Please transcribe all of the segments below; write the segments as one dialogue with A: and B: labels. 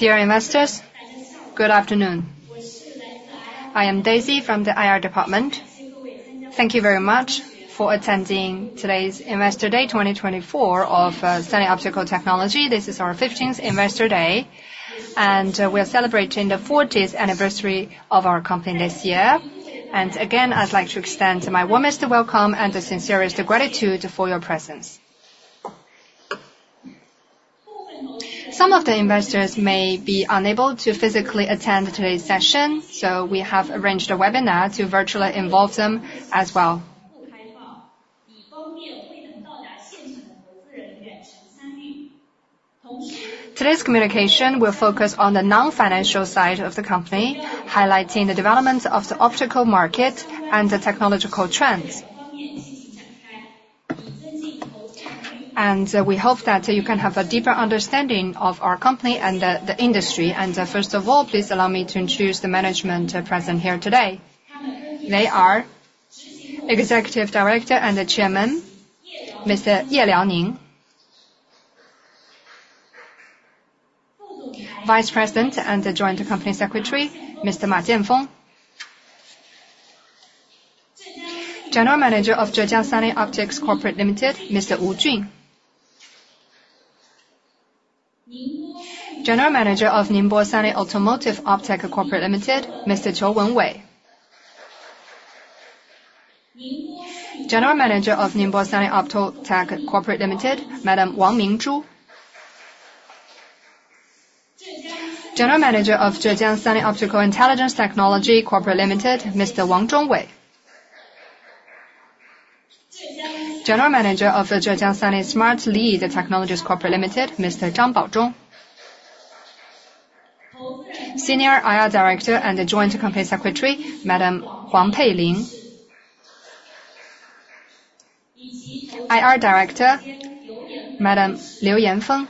A: Dear investors, good afternoon. I am Daisy from the IR Department. Thank you very much for attending today's Investor Day 2024 of Sunny Optical Technology. This is our 15th Investor Day, and we are celebrating the 40th anniversary of our company this year. And again, I'd like to extend my warmest welcome and the sincerest gratitude for your presence. Some of the investors may be unable to physically attend today's session, so we have arranged a webinar to virtually involve them as well. Today's communication will focus on the non-financial side of the company, highlighting the development of the optical market and the technological trends. We hope that you can have a deeper understanding of our company and the industry. First of all, please allow me to introduce the management present here today. They are Executive Director and Chairman, Mr. Ye Liaoning; Vice President and Joint Company Secretary, Mr. Ma Jianfeng; General Manager of Zhejiang Sunny Optics Co Ltd, Mr. Wu Jun; General Manager of Ningbo Sunny Automotive Optech Co Ltd, Mr. Qiu Wenwei; General Manager of Ningbo Sunny Opotech Co Ltd, Madam Wang Mingzhu; General Manager of Zhejiang Sunny Optical Intelligence Technology Co Ltd, Mr. Wang Zhongwei; General Manager of Zhejiang Sunny Smart Lead Technologies Co Ltd, Mr. Zhang Baozhong; Senior IR Director and Joint Company Secretary, Madam Wong Pui Ling; IR Director, Madam Liu Yanfeng.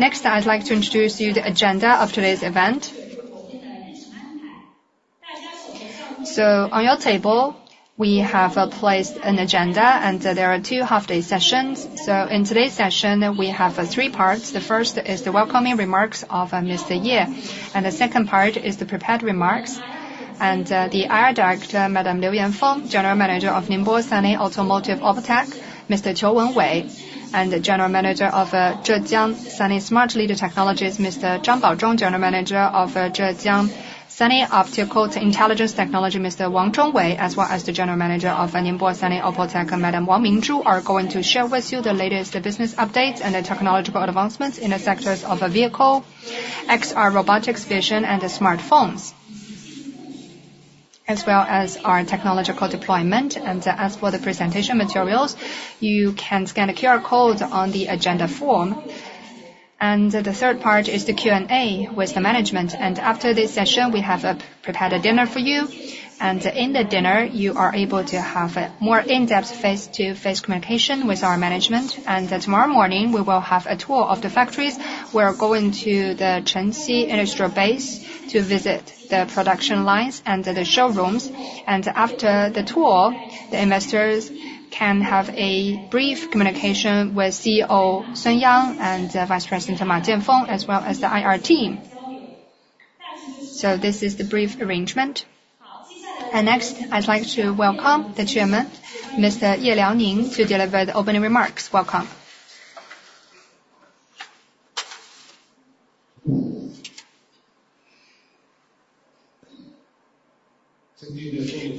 A: Next, I'd like to introduce you to the agenda of today's event. On your table, we have placed an agenda, and there are two half-day sessions. In today's session, we have three parts. The first is the welcoming remarks of Mr. Ye, and the second part is the prepared remarks. The IR Director, Madam Liu Yanfeng, General Manager of Ningbo Sunny Automotive Optech, Mr. Qiu Wenwei, and General Manager of Zhejiang Sunny Smart Lead Technologies, Mr. Zhang Baozhong, General Manager of Zhejiang Sunny Optical Intelligence Technology, Mr. Wang Zhongwei, as well as the General Manager of Ningbo Sunny Optech, Madam Wang Mingzhu, are going to share with you the latest business updates and technological advancements in the sectors of vehicle, XR robotics, vision, and smartphones, as well as our technological deployment and As for the presentation materials, you can scan the QR code on the agenda form. The third part is the Q&A with the management. After this session, we have prepared a dinner for you. In the dinner, you are able to have more in-depth face-to-face communication with our management. Tomorrow morning, we will have a tour of the factories. We are going to the Chengxi Industrial Base to visit the production lines and the showrooms. After the tour, the investors can have a brief communication with CEO Sun Yang and Vice President Ma Jianfeng, as well as the IR team. This is the brief arrangement. Next, I'd like to welcome the Chairman, Mr. Ye Liaoning, to deliver the opening remarks. Welcome.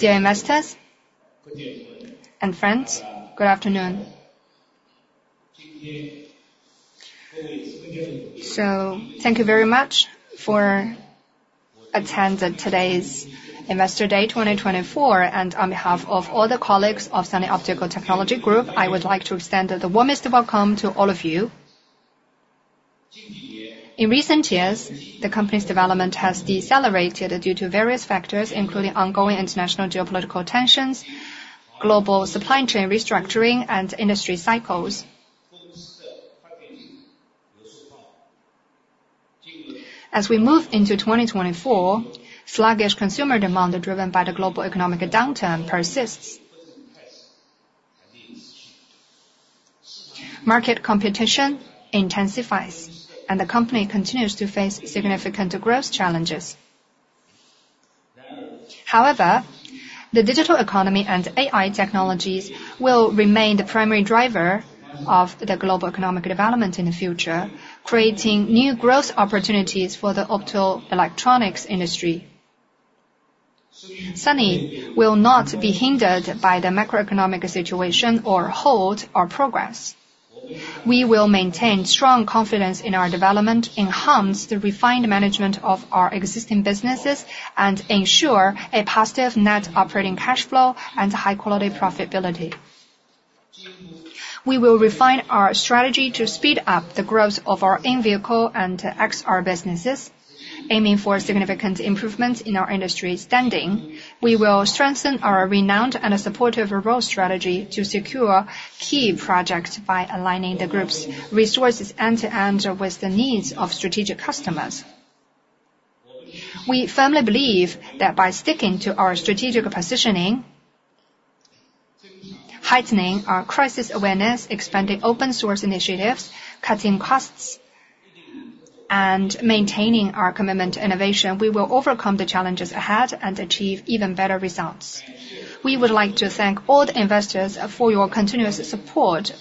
B: Dear investors and friends, good afternoon. Thank you very much for attending today's Investor Day 2024. On behalf of all the colleagues of Sunny Optical Technology Group, I would like to extend the warmest welcome to all of you. In recent years, the company's development has decelerated due to various factors, including ongoing international geopolitical tensions, global supply chain restructuring, and industry cycles. As we move into 2024, sluggish consumer demand driven by the global economic downturn persists. Market competition intensifies, and the company continues to face significant growth challenges. However, the digital economy and AI technologies will remain the primary driver of the global economic development in the future, creating new growth opportunities for the optoelectronics industry. Sunny will not be hindered by the macroeconomic situation or halt our progress. We will maintain strong confidence in our development, enhance the refined management of our existing businesses, and ensure a positive net operating cash flow and high-quality profitability. We will refine our strategy to speed up the growth of our in-vehicle and XR businesses, aiming for significant improvements in our industry standing. We will strengthen our renowned and supportive role strategy to secure key projects by aligning the group's resources end-to-end with the needs of strategic customers. We firmly believe that by sticking to our strategic positioning, heightening our crisis awareness, expanding open-source initiatives, cutting costs, and maintaining our commitment to innovation, we will overcome the challenges ahead and achieve even better results. We would like to thank all the investors for your continuous support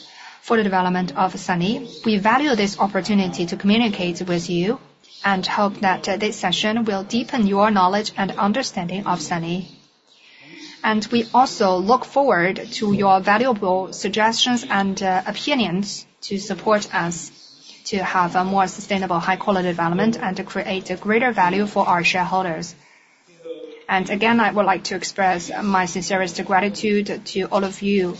B: for the development of Sunny. We value this opportunity to communicate with you and hope that this session will deepen your knowledge and understanding of Sunny. We also look forward to your valuable suggestions and opinions to support us to have a more sustainable, high-quality development and to create greater value for our shareholders. Again, I would like to express my sincerest gratitude to all of you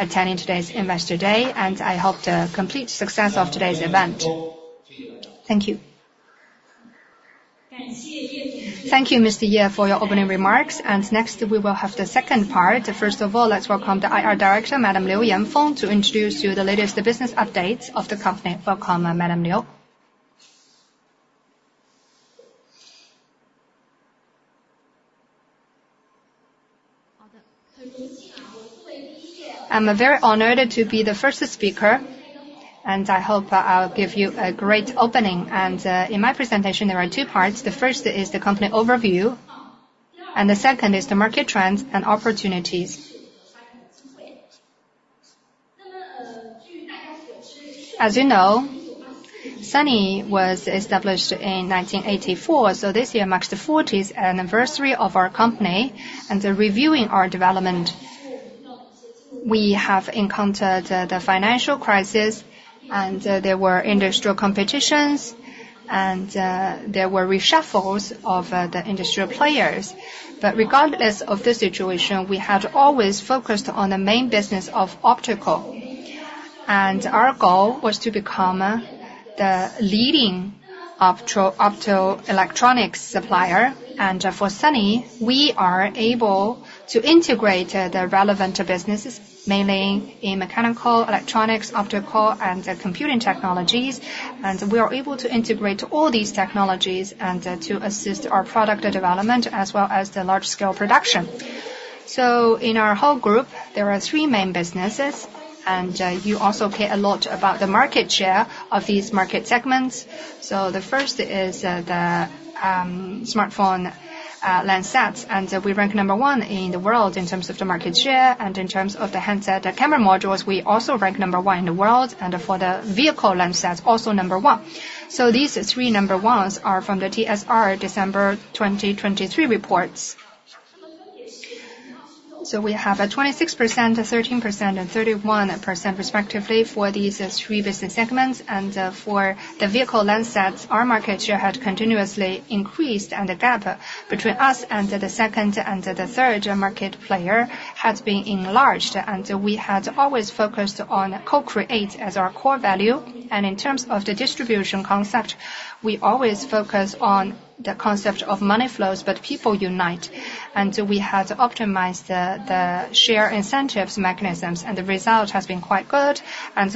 B: attending today's Investor Day, and I hope the complete success of today's event. Thank you.
A: Thank you, Mr. Ye, for your opening remarks. Next, we will have the second part. First of all, let's welcome the IR Director, Madam Liu Yanfeng, to introduce you to the latest business updates of the company. Welcome, Madam Liu.
C: I'm very honored to be the first speaker, and I hope I'll give you a great opening. In my presentation, there are two parts. The first is the company overview, and the second is the market trends and opportunities. As you know, Sunny was established in 1984, so this year marks the 40th anniversary of our company. Reviewing our development, we have encountered the financial crisis, and there were industrial competitions, and there were reshuffles of the industrial players. Regardless of the situation, we had always focused on the main business of optical. Our goal was to become the leading optoelectronics supplier. For Sunny, we are able to integrate the relevant businesses, mainly in mechanical, electronics, optical, and computing technologies. We are able to integrate all these technologies and to assist our product development as well as the large-scale production. In our whole group, there are three main businesses, and you also care a lot about the market share of these market segments. The first is the smartphone lens sets, and we rank number one in the world in terms of the market share. In terms of the handset camera modules, we also rank number one in the world, and for the vehicle lens sets, also number one. These three number ones are from the TSR December 2023 reports. We have a 26%, a 13%, and 31% respectively for these three business segments. For the vehicle lens sets, our market share had continuously increased, and the gap between us and the second and the third market player had been enlarged. We had always focused on co-create as our core value. In terms of the distribution concept, we always focus on the concept of money flows, but people unite. We had optimized the share incentives mechanisms, and the result has been quite good.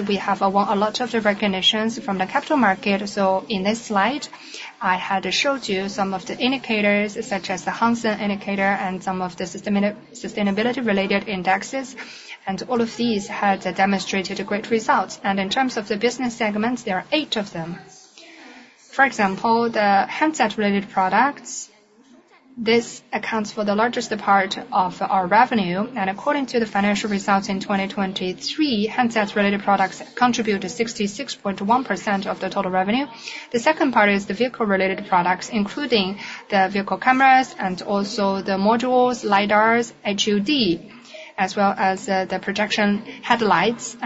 C: We have a lot of recognitions from the capital market. In this slide, I had showed you some of the indicators, such as the Hang Seng Index and some of the sustainability-related indexes. All of these had demonstrated great results. In terms of the business segments, there are 8 of them. For example, the handset-related products, this accounts for the largest part of our revenue. According to the financial results in 2023, handset-related products contribute 66.1% of the total revenue. The second part is the vehicle-related products, including the vehicle cameras and also the modules, LiDARs, HUD, as well as the projection headlights.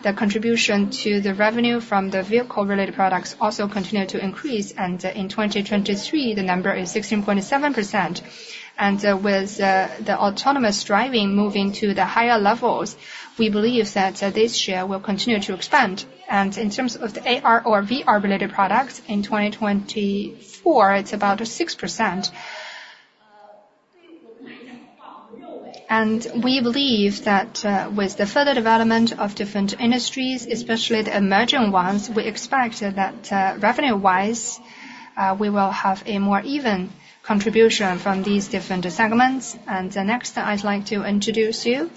C: The contribution to the revenue from the vehicle-related products also continued to increase. In 2023, the number is 16.7%. With the autonomous driving moving to the higher levels, we believe that this share will continue to expand. In terms of the AR or VR-related products, in 2024, it's about 6%. We believe that with the further development of different industries, especially the emerging ones, we expect that revenue-wise, we will have a more even contribution from these different segments. Next, I'd like to introduce you to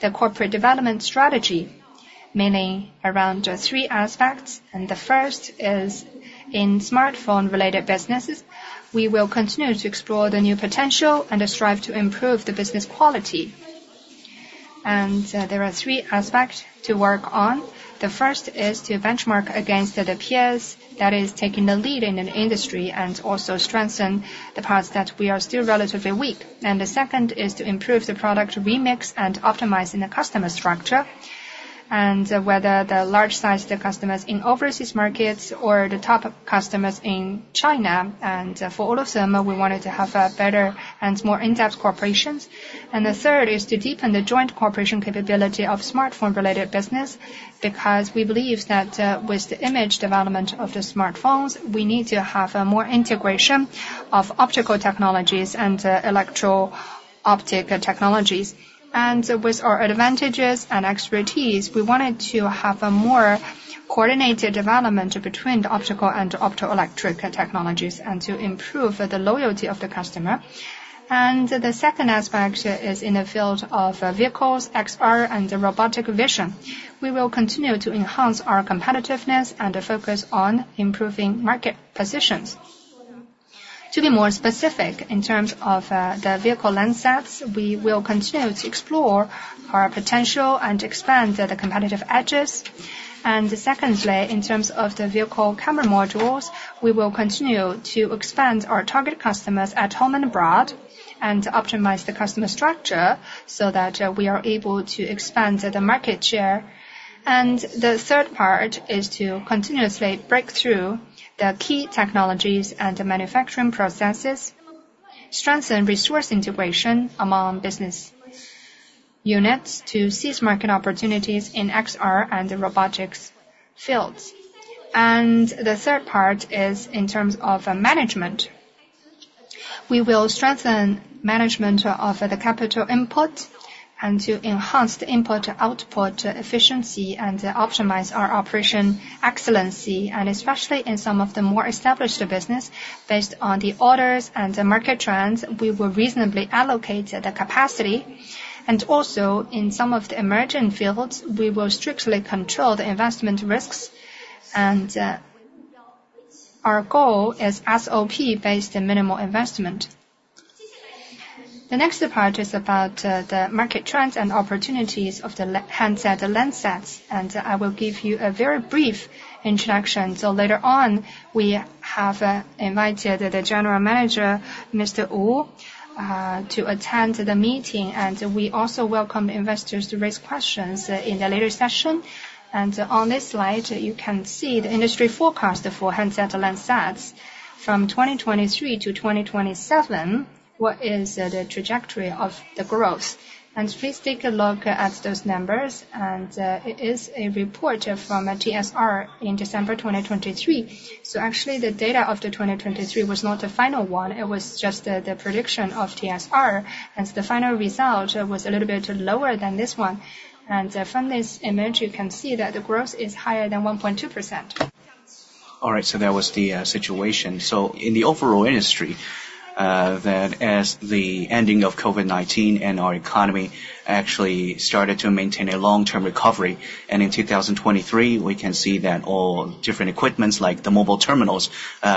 C: the corporate development strategy, mainly around three aspects. The first is in smartphone-related businesses. We will continue to explore the new potential and strive to improve the business quality. There are three aspects to work on. The first is to benchmark against the peers that are taking the lead in an industry and also strengthen the parts that we are still relatively weak. And the second is to improve the product mix and optimize in the customer structure, and whether the large-sized customers in overseas markets or the top customers in China. And for all of them, we wanted to have better and more in-depth cooperation. And the third is to deepen the joint cooperation capability of smartphone-related business because we believe that with the image development of the smartphones, we need to have more integration of optical technologies and electro-optic technologies. And with our advantages and expertise, we wanted to have a more coordinated development between the optical and optoelectronic technologies and to improve the loyalty of the customer. The second aspect is in the field of vehicles, XR, and robotic vision. We will continue to enhance our competitiveness and focus on improving market positions. To be more specific, in terms of the vehicle lens sets, we will continue to explore our potential and expand the competitive edges. Secondly, in terms of the vehicle camera modules, we will continue to expand our target customers at home and abroad and optimize the customer structure so that we are able to expand the market share. The third part is to continuously break through the key technologies and manufacturing processes, strengthen resource integration among business units to seize market opportunities in XR and robotics fields. The third part is in terms of management. We will strengthen management of the capital input and to enhance the input-output efficiency and optimize our operational excellence. Especially in some of the more established businesses, based on the orders and market trends, we will reasonably allocate the capacity. Also, in some of the emerging fields, we will strictly control the investment risks. Our goal is SOP-based minimal investment. The next part is about the market trends and opportunities of the handset lens sets. I will give you a very brief introduction. So later on, we have invited the general manager, Mr. Wu, to attend the meeting. We also welcome investors to raise questions in the later session. On this slide, you can see the industry forecast for handset lens sets from 2023 to 2027, what is the trajectory of the growth? Please take a look at those numbers. It is a report from TSR in December 2023. So actually, the data of 2023 was not the final one. It was just the prediction of TSR. The final result was a little bit lower than this one. From this image, you can see that the growth is higher than 1.2%. All right. That was the situation. In the overall industry, as the ending of COVID-19 and our economy actually started to maintain a long-term recovery, and in 2023, we can see that all different equipments, like the mobile terminals,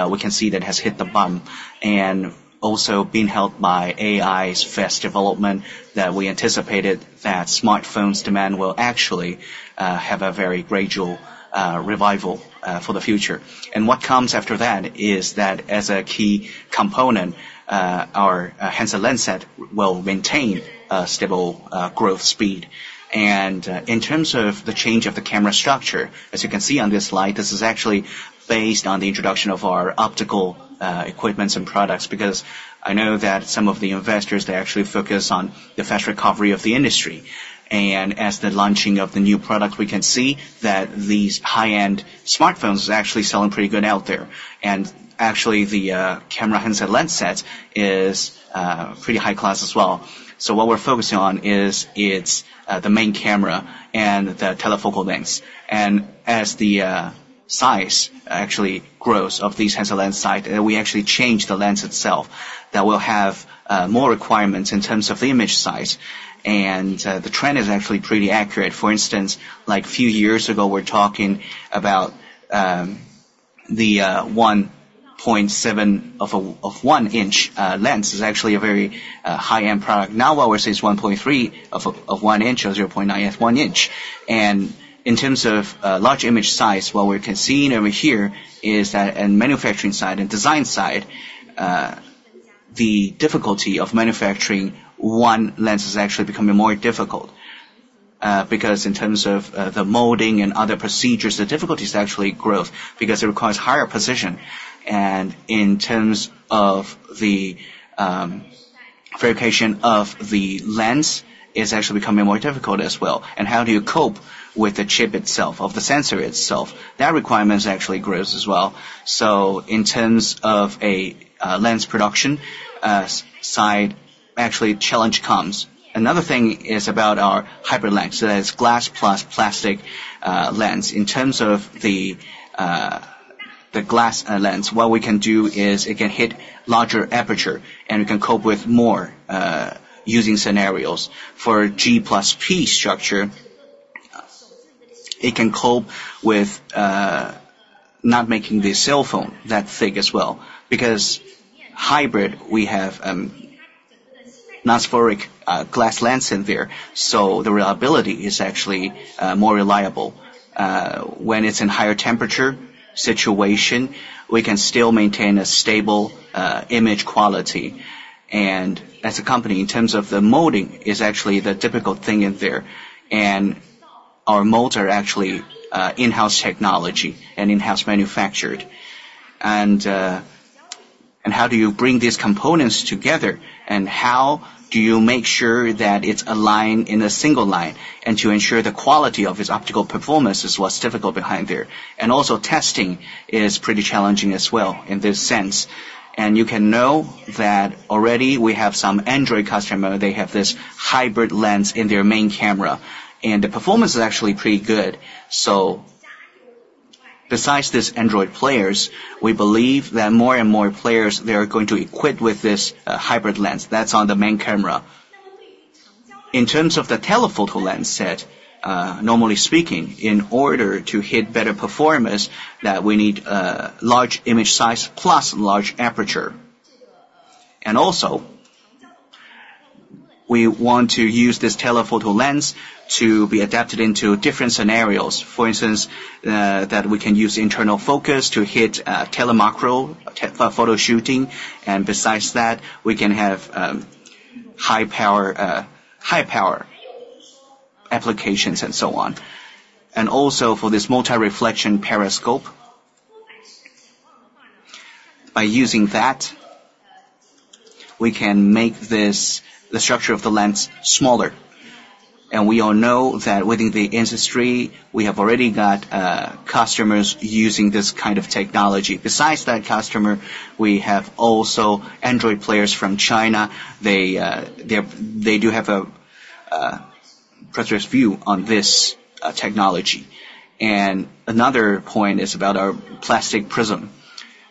C: we can see that has hit the bottom and also being helped by AI's fast development that we anticipated that smartphones' demand will actually have a very gradual revival for the future. What comes after that is that as a key component, our handset lens set will maintain a stable growth speed. In terms of the change of the camera structure, as you can see on this slide, this is actually based on the introduction of our optical equipment and products because I know that some of the investors, they actually focus on the fast recovery of the industry. As the launching of the new product, we can see that these high-end smartphones are actually selling pretty good out there. Actually, the camera handset lens sets are pretty high-class as well. So what we're focusing on is the main camera and the telephoto lens. As the size actually grows of these handset lens sets, we actually change the lens itself that will have more requirements in terms of the image size. The trend is actually pretty accurate. For instance, like a few years ago, we're talking about the 1.7 of 1-inch lens is actually a very high-end product. Now, what we're seeing is 1.3 of 1-inch or 0.9 of 1-inch. And in terms of large image size, what we're seeing over here is that on the manufacturing side and design side, the difficulty of manufacturing one lens is actually becoming more difficult because in terms of the molding and other procedures, the difficulty is actually growth because it requires higher precision. And in terms of the fabrication of the lens, it's actually becoming more difficult as well. And how do you cope with the chip itself, of the sensor itself? That requirement actually grows as well. So in terms of a lens production side, actually, challenge comes. Another thing is about our hybrid lens, so that's glass plus plastic lens. In terms of the glass lens, what we can do is it can hit larger aperture, and we can cope with more using scenarios. For G+P structure, it can cope with not making the cell phone that thick as well because hybrid, we have non-spherical glass lens in there. So the reliability is actually more reliable. When it's in a higher temperature situation, we can still maintain a stable image quality. And as a company, in terms of the molding, it's actually the difficult thing in there. And our molds are actually in-house technology and in-house manufactured. And how do you bring these components together, and how do you make sure that it's aligned in a single line and to ensure the quality of its optical performance is what's difficult behind there? And also, testing is pretty challenging as well in this sense. You can know that already we have some Android customers. They have this hybrid lens in their main camera. The performance is actually pretty good. So besides these Android players, we believe that more and more players, they're going to equip with this hybrid lens that's on the main camera. In terms of the telephoto lens set, normally speaking, in order to hit better performance, we need large image size plus large aperture. We want to use this telephoto lens to be adapted into different scenarios. For instance, that we can use internal focus to hit telemacro photo shooting. Besides that, we can have high-power applications and so on. For this multi-reflection periscope, by using that, we can make the structure of the lens smaller. We all know that within the industry, we have already got customers using this kind of technology. Besides that customer, we have also Android players from China. They do have a precious view on this technology. Another point is about our plastic prism.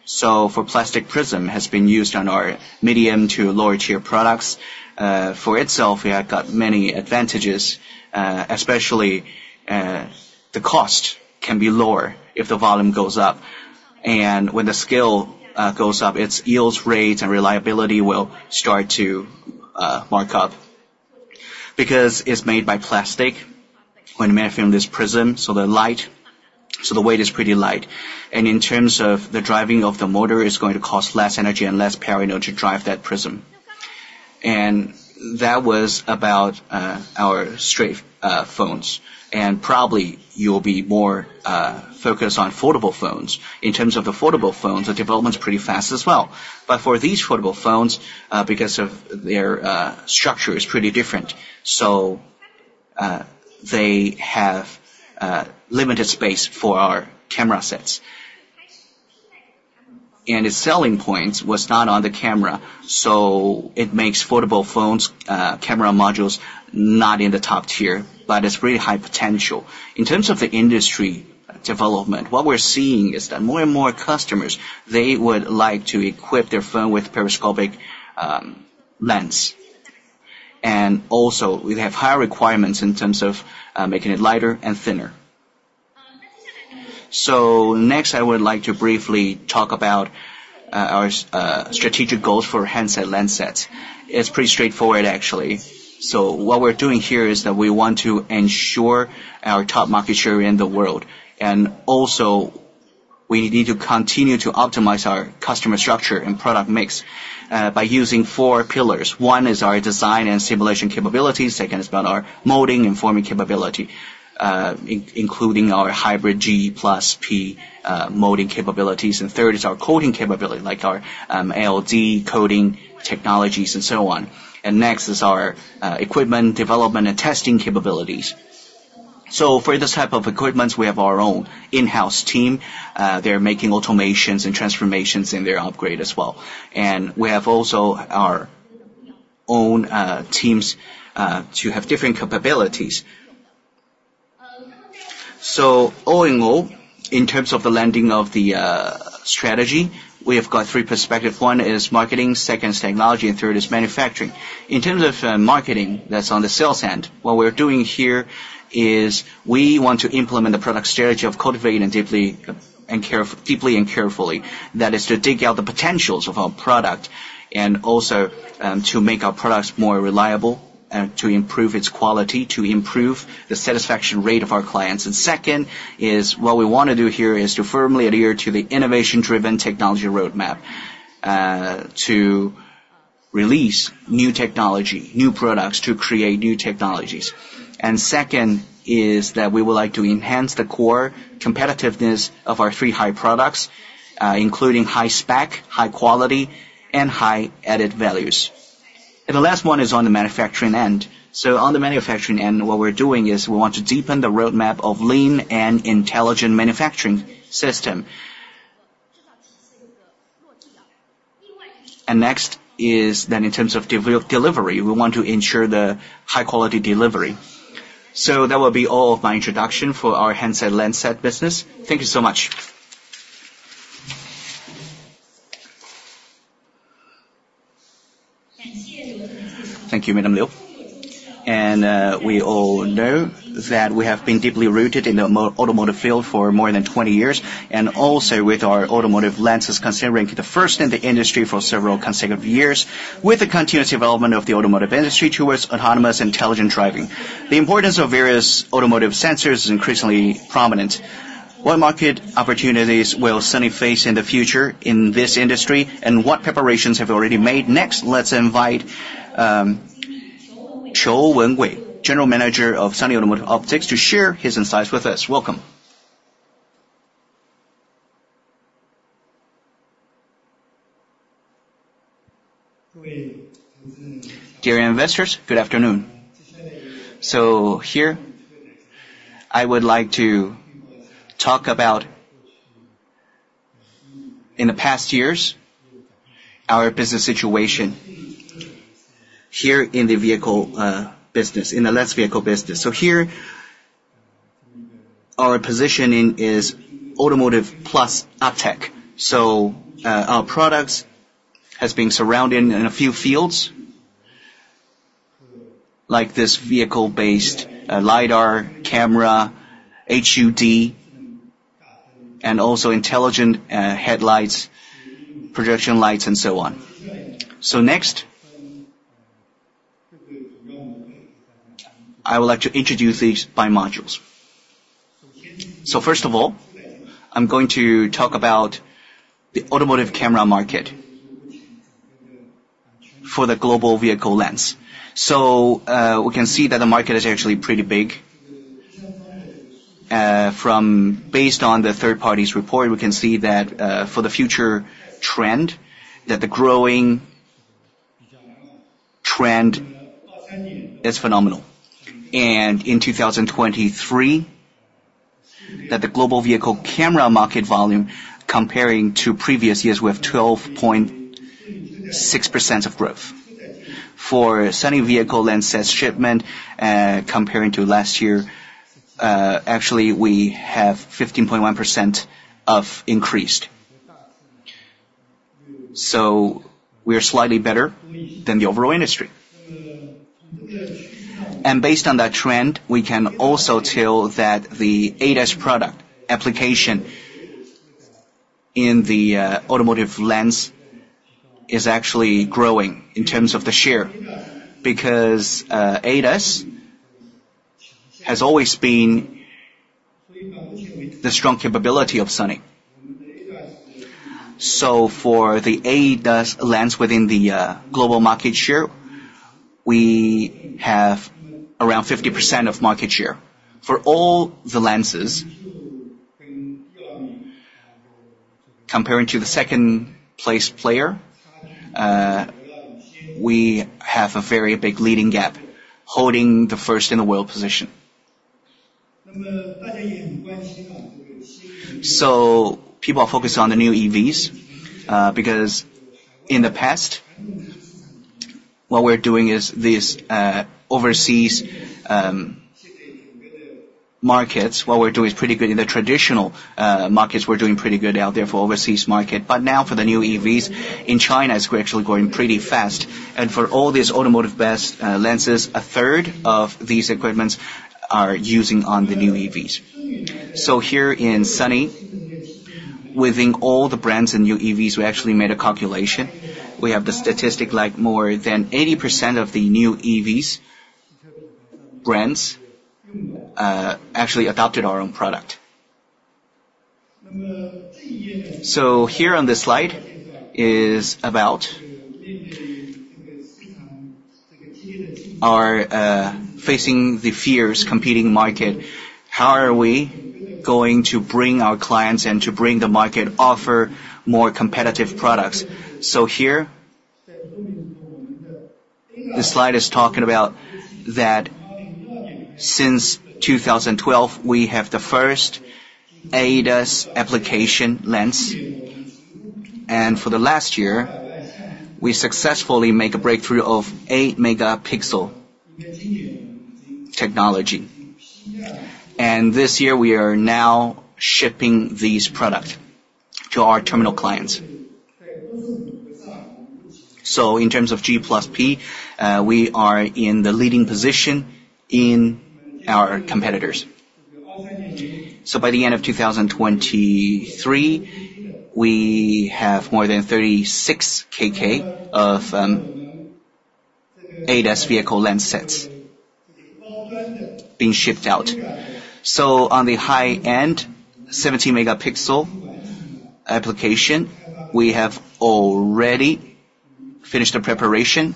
C: So for plastic prism, it has been used on our medium to lower-tier products. For itself, we have got many advantages, especially the cost can be lower if the volume goes up. When the scale goes up, its yield rate and reliability will start to mark up because it's made by plastic. When we're making this prism, so the light, so the weight is pretty light. In terms of the driving of the motor, it's going to cost less energy and less power in order to drive that prism. That was about our straight phones. Probably, you'll be more focused on foldable phones. In terms of the foldable phones, the development's pretty fast as well. But for these foldable phones, because of their structure, it's pretty different. So they have limited space for our camera sets. And its selling point was not on the camera. So it makes foldable phone's camera modules not in the top tier, but it's really high potential. In terms of the industry development, what we're seeing is that more and more customers, they would like to equip their phone with a periscope lens. And also, we have higher requirements in terms of making it lighter and thinner. So next, I would like to briefly talk about our strategic goals for handset lens sets. It's pretty straightforward, actually. So what we're doing here is that we want to ensure our top market share in the world. And also, we need to continue to optimize our customer structure and product mix by using four pillars. One is our design and simulation capabilities. Second is about our molding and forming capability, including our hybrid G+P molding capabilities. Third is our coating capability, like our ALD coating technologies and so on. Next is our equipment development and testing capabilities. For this type of equipment, we have our own in-house team. They're making automations and transformations in their upgrade as well. We have also our own teams to have different capabilities. All in all, in terms of the landing of the strategy, we have got three perspectives. One is marketing, second is technology, and third is manufacturing. In terms of marketing, that's on the sales end. What we're doing here is we want to implement the product strategy of cultivating deeply and carefully. That is to dig out the potentials of our product and also to make our products more reliable and to improve its quality, to improve the satisfaction rate of our clients. Second is what we want to do here is to firmly adhere to the innovation-driven technology roadmap to release new technology, new products to create new technologies. Second is that we would like to enhance the core competitiveness of our three high products, including high spec, high quality, and high added values. The last one is on the manufacturing end. On the manufacturing end, what we're doing is we want to deepen the roadmap of lean and intelligent manufacturing system. Next is that in terms of delivery, we want to ensure the high-quality delivery. That will be all of my introduction for our handset lens set business. Thank you so much.
A: Thank you, Madam Liu. We all know that we have been deeply rooted in the automotive field for more than 20 years. Also, with our automotive lenses considered the first in the industry for several consecutive years, with the continuous development of the automotive industry towards autonomous intelligent driving, the importance of various automotive sensors is increasingly prominent. What market opportunities will Sunny face in the future in this industry, and what preparations have already been made? Next, let's invite Qiu Wenwei, General Manager of Sunny Automotive Optech, to share his insights with us. Welcome.
D: Dear investors, good afternoon. Here, I would like to talk about, in the past years, our business situation here in the vehicle business, in the lens vehicle business. Here, our positioning is automotive plus optic. So our products have been surrounded in a few fields, like this vehicle-based LiDAR camera, HUD, and also intelligent headlights, projection lights, and so on. So next, I would like to introduce these by modules. So first of all, I'm going to talk about the automotive camera market for the global vehicle lens. So we can see that the market is actually pretty big. Based on the third party's report, we can see that for the future trend, that the growing trend is phenomenal. And in 2023, that the global vehicle camera market volume, comparing to previous years, we have 12.6% of growth. For Sunny vehicle lens set shipment, comparing to last year, actually, we have 15.1% of increased. So we are slightly better than the overall industry. Based on that trend, we can also tell that the ADAS product application in the automotive lens is actually growing in terms of the share because ADAS has always been the strong capability of Sony. So for the ADAS lens within the global market share, we have around 50% of market share. For all the lenses, comparing to the second-place player, we have a very big leading gap, holding the first-in-the-world position. So people are focused on the new EVs because in the past, what we're doing is these overseas markets, what we're doing is pretty good. In the traditional markets, we're doing pretty good out there for overseas market. But now for the new EVs in China, it's actually growing pretty fast. And for all these automotive best lenses, a third of this equipment is using on the new EVs. So here in Sunny, within all the brands and new EVs, we actually made a calculation. We have the statistic like more than 80% of the new EVs brands actually adopted our own product. So here on this slide is about our facing the fierce competing market. How are we going to bring our clients and to bring the market offer more competitive products? So here, this slide is talking about that since 2012, we have the first ADAS application lens. And for the last year, we successfully made a breakthrough of 8-megapixel technology. And this year, we are now shipping these products to our terminal clients. So in terms of G+P, we are in the leading position in our competitors. So by the end of 2023, we have more than 36 million of ADAS vehicle lens sets being shipped out. On the high end, 17-megapixel application, we have already finished the preparation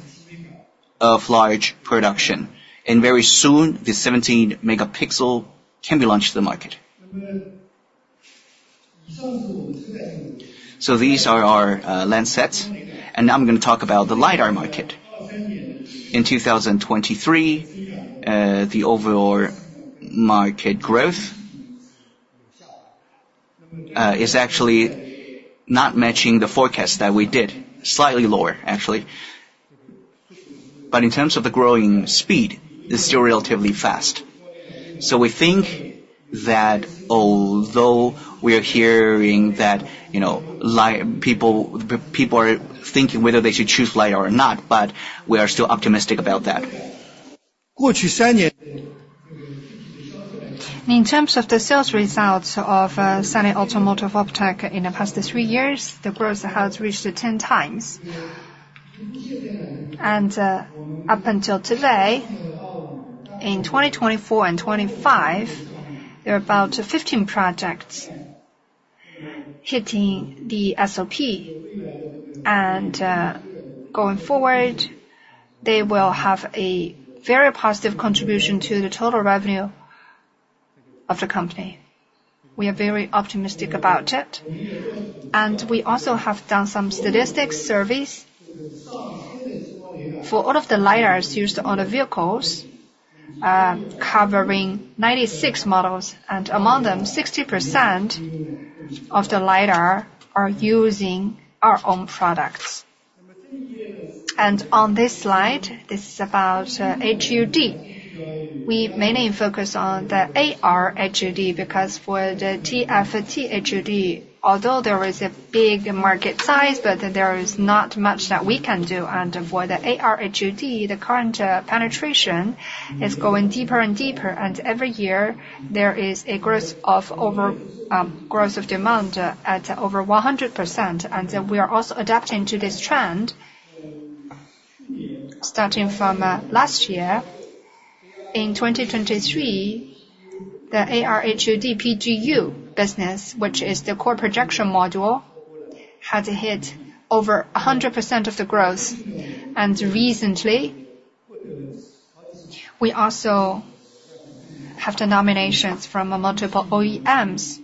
D: of large production. Very soon, the 17-megapixel can be launched to the market. These are our lens sets. Now I'm going to talk about the LiDAR market. In 2023, the overall market growth is actually not matching the forecast that we did, slightly lower, actually. In terms of the growing speed, it's still relatively fast. We think that although we are hearing that people are thinking whether they should choose LiDAR or not, we are still optimistic about that. In terms of the sales results of Sunny Automotive Optech in the past three years, the growth has reached 10x. Up until today, in 2024 and 2025, there are about 15 projects hitting the SOP. Going forward, they will have a very positive contribution to the total revenue of the company. We are very optimistic about it. We also have done some statistics surveys for all of the LiDARs used on the vehicles, covering 96 models. Among them, 60% of the LiDAR are using our own products. On this slide, this is about HUD. We mainly focus on the AR HUD because for the TFT HUD, although there is a big market size, but there is not much that we can do. For the AR HUD, the current penetration is going deeper and deeper. Every year, there is a growth of overgrowth of demand at over 100%. We are also adapting to this trend starting from last year. In 2023, the AR HUD PGU business, which is the core projection module, has hit over 100% of the growth. Recently, we also have the nominations from multiple OEMs.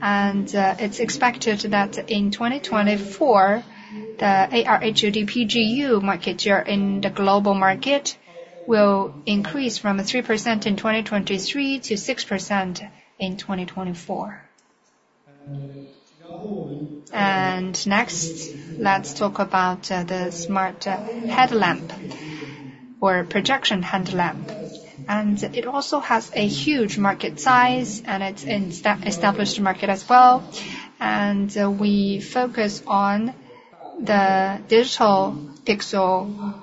D: It's expected that in 2024, the AR HUD PGU market share in the global market will increase from 3% in 2023 to 6% in 2024. Next, let's talk about the smart headlamp or projection headlamp. It also has a huge market size, and it's established market as well. We focus on the digital pixel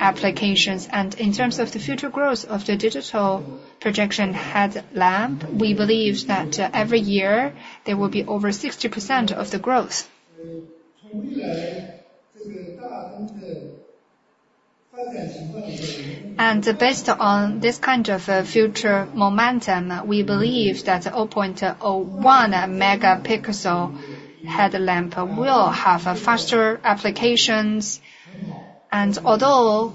D: applications. In terms of the future growth of the digital projection headlamp, we believe that every year, there will be over 60% of the growth. Based on this kind of future momentum, we believe that 0.01 megapixel headlamp will have faster applications. Although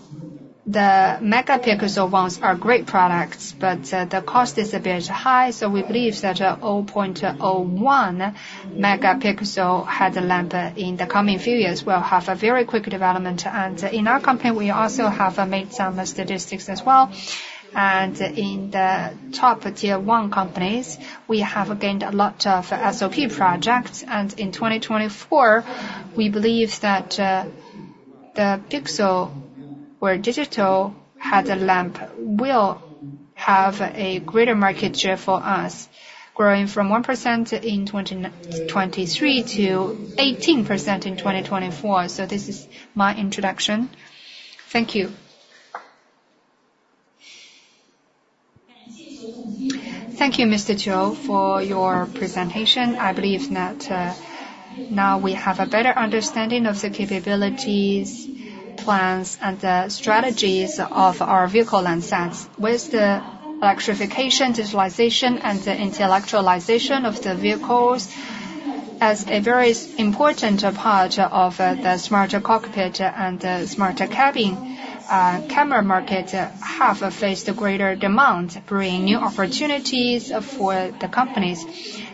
D: the megapixel ones are great products, but the cost is a bit high. So we believe that 8-megapixel headlamp in the coming few years will have a very quick development. In our company, we also have made some statistics as well. In the top-tier Tier 1 companies, we have gained a lot of SOP projects. In 2024, we believe that the Digital Pixel Headlamp will have a greater market share for us, growing from 1% in 2023 to 18% in 2024. So this is my introduction. Thank you.
A: Thank you, Mr. Qiu, for your presentation. I believe that now we have a better understanding of the capabilities, plans, and strategies of our vehicle lens sets. With the electrification, digitalization, and intellectualization of the vehicles as a very important part of the smart cockpit and smart cabin camera market have faced a greater demand, bringing new opportunities for the companies.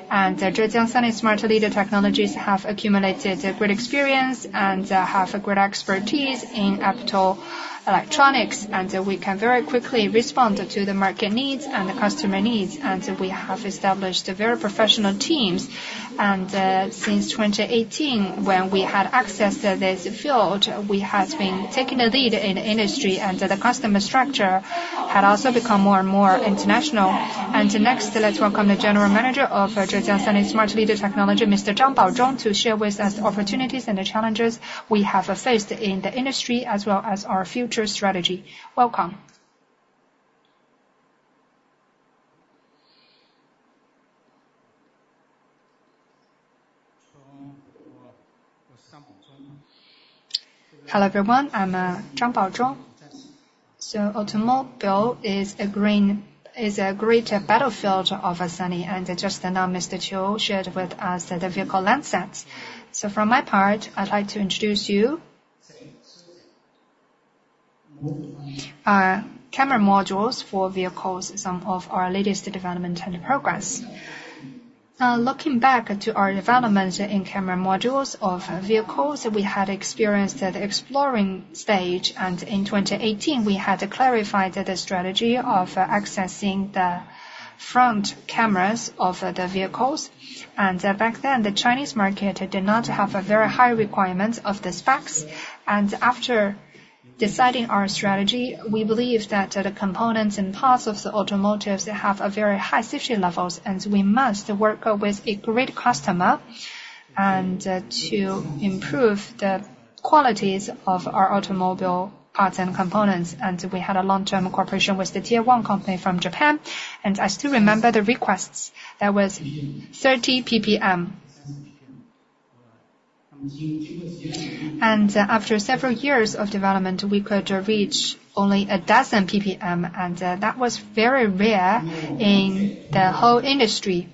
A: Zhejiang Sunny Smart Lead Technologies have accumulated great experience and have great expertise in optical electronics. And we can very quickly respond to the market needs and the customer needs. And we have established very professional teams. And since 2018, when we had access to this field, we have been taking the lead in the industry. And the customer structure had also become more and more international. And next, let's welcome the General Manager of Zhejiang Sunny Smart Lead Technology, Mr. Zhang Baozhong, to share with us the opportunities and the challenges we have faced in the industry as well as our future strategy. Welcome.
E: Hello everyone. I'm Zhang Baozhong. So automotive is a great battlefield of Sunny. And just now, Mr. Qiu shared with us the vehicle lens sets. So from my part, I'd like to introduce you to camera modules for vehicles, some of our latest development and progress. Looking back to our development in camera modules of vehicles, we had experienced the exploring stage. In 2018, we had clarified the strategy of accessing the front cameras of the vehicles. Back then, the Chinese market did not have very high requirements of the specs. After deciding our strategy, we believe that the components and parts of the automotives have very high safety levels. We must work with a great customer to improve the qualities of our automobile parts and components. We had a long-term cooperation with the tier one company from Japan. I still remember the requests. That was 30 PPM. After several years of development, we could reach only 12 PPM. That was very rare in the whole industry.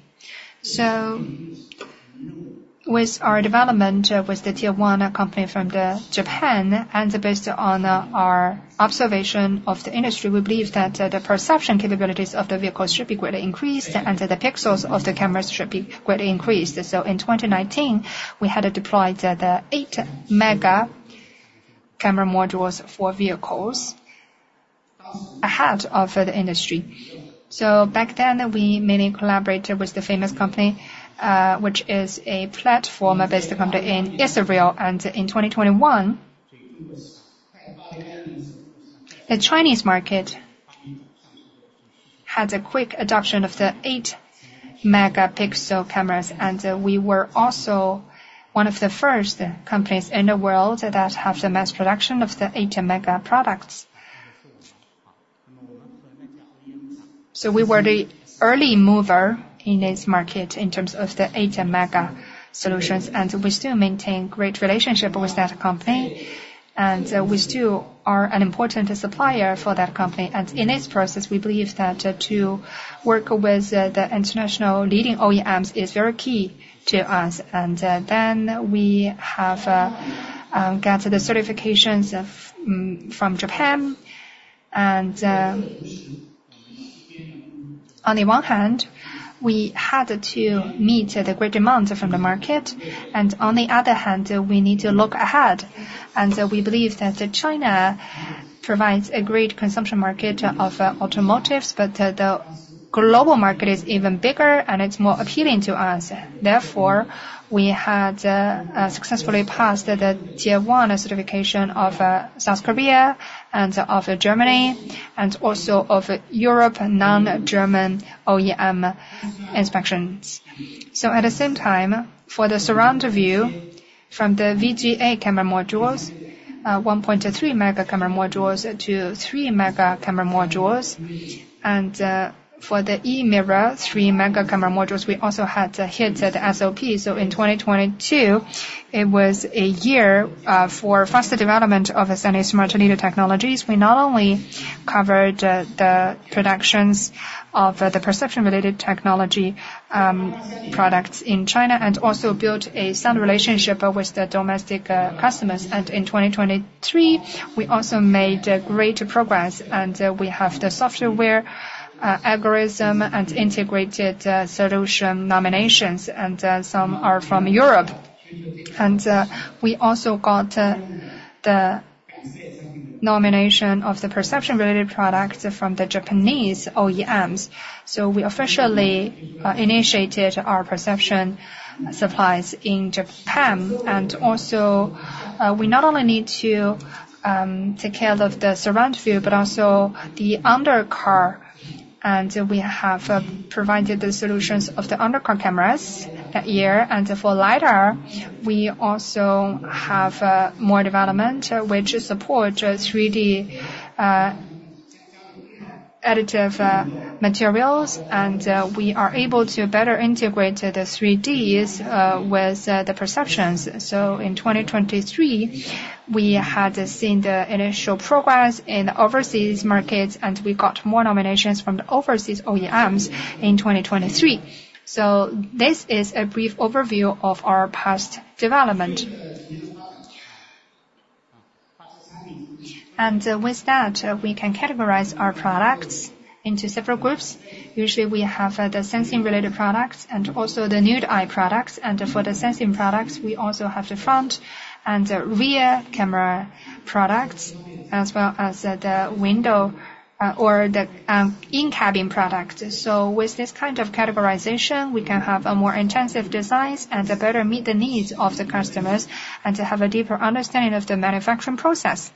E: With our development with the tier one company from Japan, and based on our observation of the industry, we believe that the perception capabilities of the vehicles should be greatly increased, and the pixels of the cameras should be greatly increased. In 2019, we had deployed the 8-megapixel camera modules for vehicles ahead of the industry. Back then, we mainly collaborated with the famous company, which is a platform-based company in Israel. In 2021, the Chinese market had a quick adoption of the 8-megapixel cameras. We were also one of the first companies in the world that had mass production of the 8-megapixel products. We were the early mover in this market in terms of the 8-megapixel solutions. We still maintain a great relationship with that company. We still are an important supplier for that company. In this process, we believe that to work with the international leading OEMs is very key to us. Then we have got the certifications from Japan. On the one hand, we had to meet the great demand from the market. On the other hand, we need to look ahead. We believe that China provides a great consumption market of automotives, but the global market is even bigger, and it's more appealing to us. Therefore, we had successfully passed the tier one certification of South Korea and of Germany, and also of Europe non-German OEM inspections. So at the same time, for the surround view from the VGA camera modules, 1.3-megapixel camera modules to 3-megapixel camera modules. For the e-mirror, 3-megapixel camera modules, we also had hit the SOP. So in 2022, it was a year for faster development of Sunny Smart Lead Technologies. We not only covered the productions of the perception-related technology products in China and also built a sound relationship with the domestic customers. In 2023, we also made great progress. We have the software algorithm and integrated solution nominations. Some are from Europe. We also got the nomination of the perception-related products from the Japanese OEMs. So we officially initiated our perception supplies in Japan. We not only need to take care of the surround view, but also the undercar. We have provided the solutions of the undercar cameras that year. For LiDAR, we also have more development, which supports 3D additive materials. We are able to better integrate the 3Ds with the perceptions. So in 2023, we had seen the initial progress in the overseas markets, and we got more nominations from the overseas OEMs in 2023. So this is a brief overview of our past development. And with that, we can categorize our products into several groups. Usually, we have the sensing-related products and also the naked eye products. And for the sensing products, we also have the front and rear camera products, as well as the window or the in-cabin products. So with this kind of categorization, we can have a more intensive design and better meet the needs of the customers and have a deeper understanding of the manufacturing process.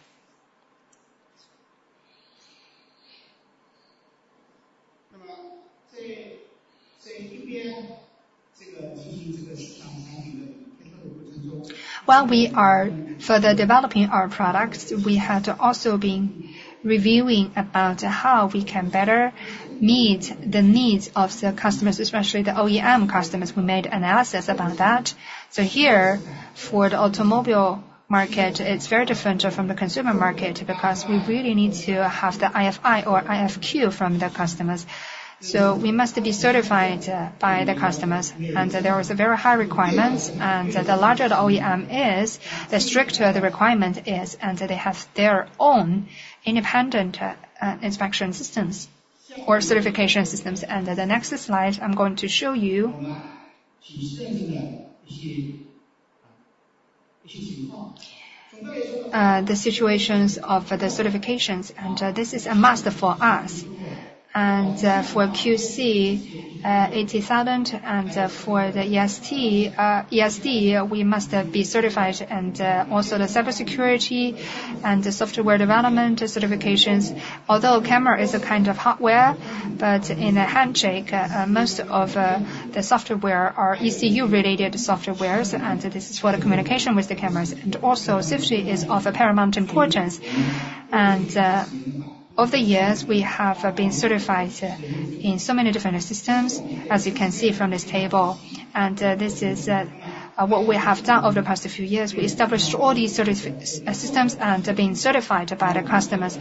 E: While we are further developing our products, we had also been reviewing about how we can better meet the needs of the customers, especially the OEM customers. We made analysis about that. So here, for the automobile market, it's very different from the consumer market because we really need to have the RFI or RFQ from the customers. We must be certified by the customers. There are very high requirements. The larger the OEM is, the stricter the requirement is. They have their own independent inspection systems or certification systems. The next slide, I'm going to show you the situations of the certifications. This is a must for us. For QC 080000. For the ESD, we must be certified. Also the cybersecurity and the software development certifications. Although camera is a kind of hardware, but in a handshake, most of the software are ECU-related softwares. This is for the communication with the cameras. Safety is of paramount importance. Over the years, we have been certified in so many different systems, as you can see from this table. This is what we have done over the past few years. We established all these systems and have been certified by the customers.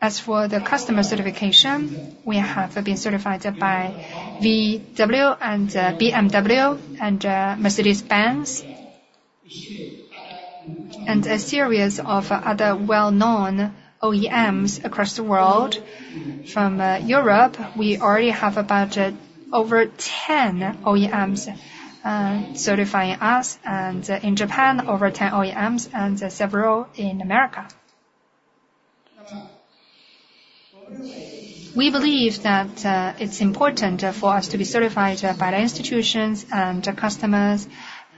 E: As for the customer certification, we have been certified by VW and BMW and Mercedes-Benz and a series of other well-known OEMs across the world. From Europe, we already have about over 10 OEMs certifying us. In Japan, over 10 OEMs and several in America. We believe that it's important for us to be certified by the institutions and customers.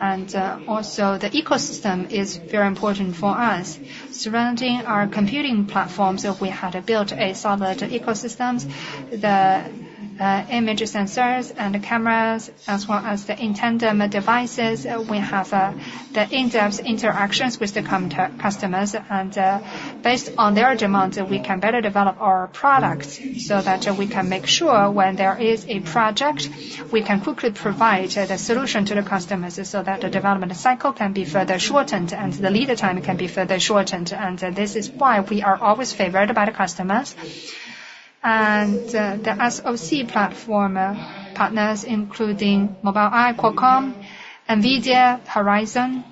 E: Also, the ecosystem is very important for us. Surrounding our computing platforms, we had built a solid ecosystem. The image sensors and cameras, as well as the intended devices, we have the in-depth interactions with the customers. Based on their demands, we can better develop our products so that we can make sure when there is a project, we can quickly provide the solution to the customers so that the development cycle can be further shortened and the lead time can be further shortened. This is why we are always favored by the customers. The SoC platform partners, including Mobileye, QUALCOMM, NVIDIA, Horizon,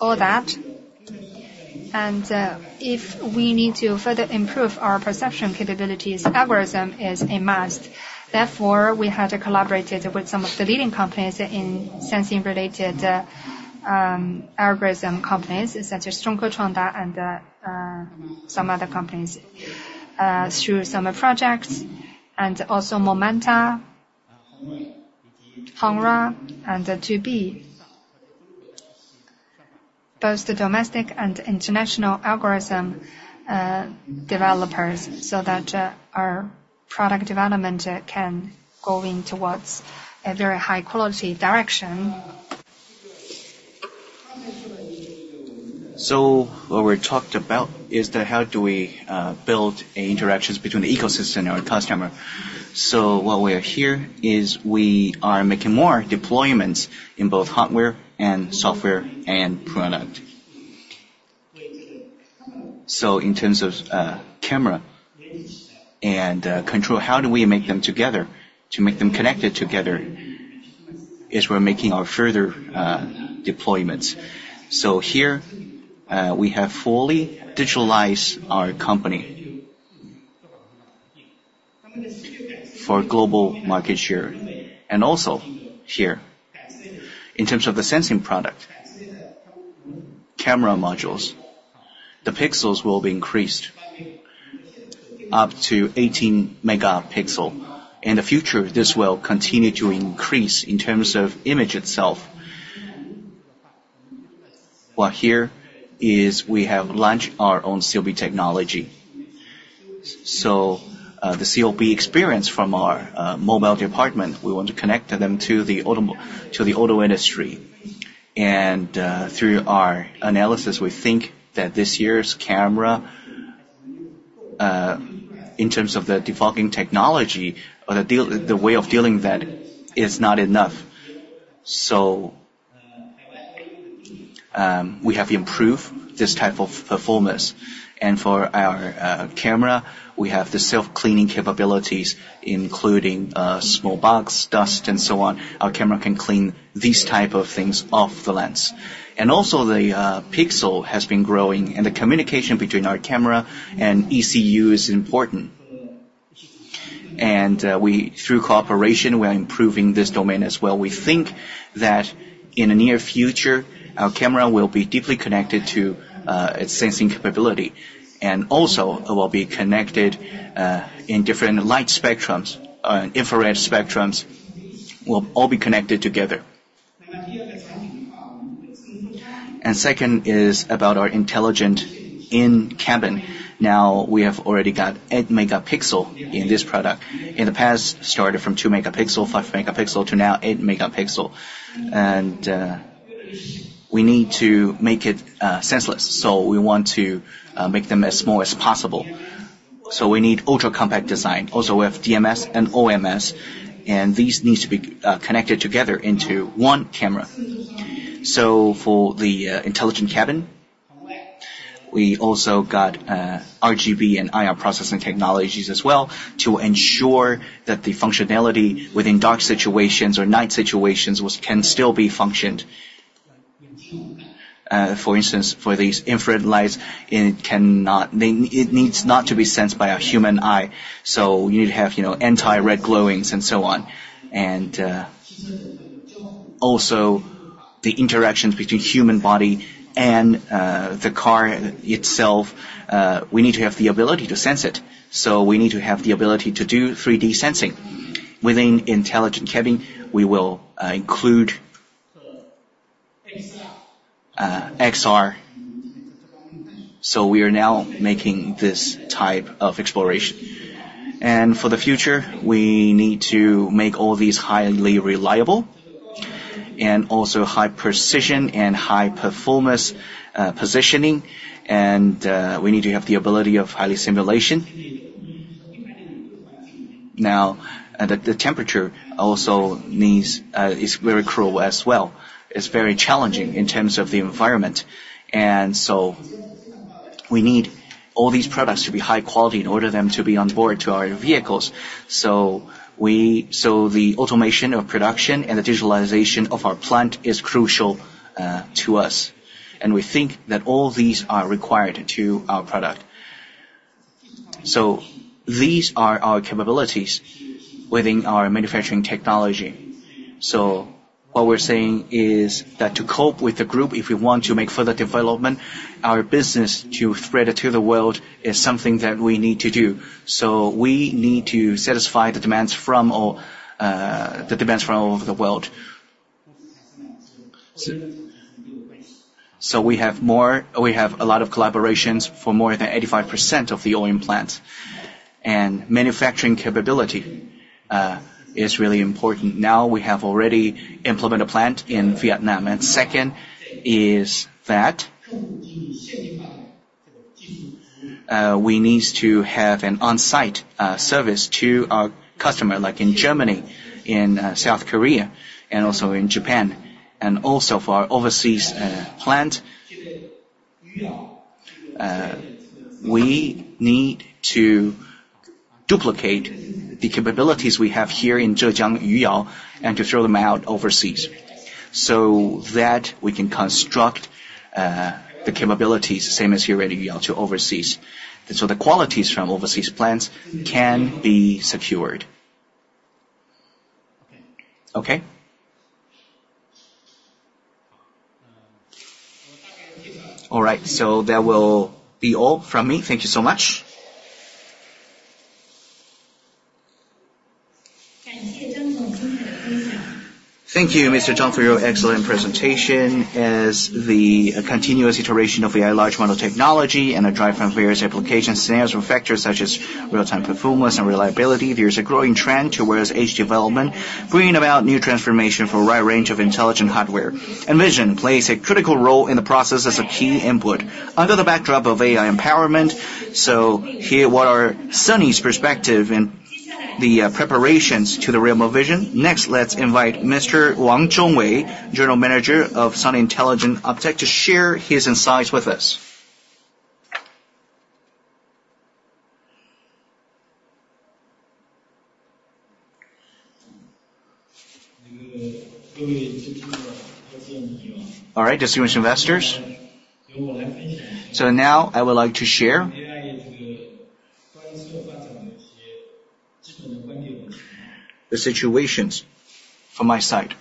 E: all that. If we need to further improve our perception capabilities, algorithm is a must. Therefore, we had collaborated with some of the leading companies in sensing-related algorithm companies, such as Zhongke, Chuangda, and some other companies, through some projects. Also Momenta, Hongruan, and TuSimple, both domestic and international algorithm developers, so that our product development can go in towards a very high-quality direction. So what we talked about is how do we build interactions between the ecosystem and our customer. So what we have here is we are making more deployments in both hardware and software and product. So in terms of camera and control, how do we make them together to make them connected together as we're making our further deployments? So here, we have fully digitalized our company for global market share. And also here, in terms of the sensing product, camera modules, the pixels will be increased up to 18-megapixel. In the future, this will continue to increase in terms of image itself. While here, we have launched our own COB technology. So the COB experience from our mobile department, we want to connect them to the auto industry. Through our analysis, we think that this year's camera, in terms of the debugging technology, or the way of dealing with that, is not enough. So we have improved this type of performance. And for our camera, we have the self-cleaning capabilities, including small bugs, dust, and so on. Our camera can clean these types of things off the lens. And also, the pixel has been growing. And the communication between our camera and ECU is important. And through cooperation, we are improving this domain as well. We think that in the near future, our camera will be deeply connected to its sensing capability. And also, it will be connected in different light spectrums or infrared spectrums. We'll all be connected together. And second is about our intelligent in-cabin. Now, we have already got 8-megapixel in this product. In the past, it started from 2-megapixel, 5-megapixel, to now 8-megapixel. We need to make it senseless. So we want to make them as small as possible. So we need ultra-compact design. Also, we have DMS and OMS. These need to be connected together into one camera. So for the intelligent cabin, we also got RGB and IR processing technologies as well to ensure that the functionality within dark situations or night situations can still be functioned. For instance, for these infrared lights, it needs not to be sensed by a human eye. So you need to have anti-red glowings and so on. Also, the interactions between human body and the car itself, we need to have the ability to sense it. So we need to have the ability to do 3D sensing. Within intelligent cabin, we will include XR. We are now making this type of exploration. For the future, we need to make all these highly reliable and also high precision and high performance positioning. We need to have the ability of highly simulation. Now, the temperature also is very cruel as well. It's very challenging in terms of the environment. We need all these products to be high quality in order for them to be on board to our vehicles. The automation of production and the digitalization of our plant is crucial to us. We think that all these are required to our product. These are our capabilities within our manufacturing technology. What we're saying is that to cope with the group, if we want to make further development, our business to spread it to the world is something that we need to do. So we need to satisfy the demands from the demands from over the world. So we have a lot of collaborations for more than 85% of the OEM plants. And manufacturing capability is really important. Now, we have already implemented a plant in Vietnam. And second is that we need to have an on-site service to our customer, like in Germany, in South Korea, and also in Japan. And also, for our overseas plant, we need to duplicate the capabilities we have here in Zhejiang, Yuyao, and to throw them out overseas so that we can construct the capabilities the same as here at Yuyao to overseas. So the qualities from overseas plants can be secured. Okay? All right. So that will be all from me. Thank you so much.
A: Thank you, Mr. Zhang, for your excellent presentation. As the continuous iteration of AI large model technology and a drive from various application scenarios and factors such as real-time performance and reliability, there is a growing trend towards edge development, bringing about new transformation for a wide range of intelligent hardware. Vision plays a critical role in the process as a key input. Under the backdrop of AI empowerment, so here, what are Sunny's perspective and the preparations to the realm of vision? Next, let's invite Mr. Wang Zhongwei, General Manager of Sunny Optical Intelligence, to share his insights with us.
F: All right, distinguished investors. Now, I would like to share the situations from my side.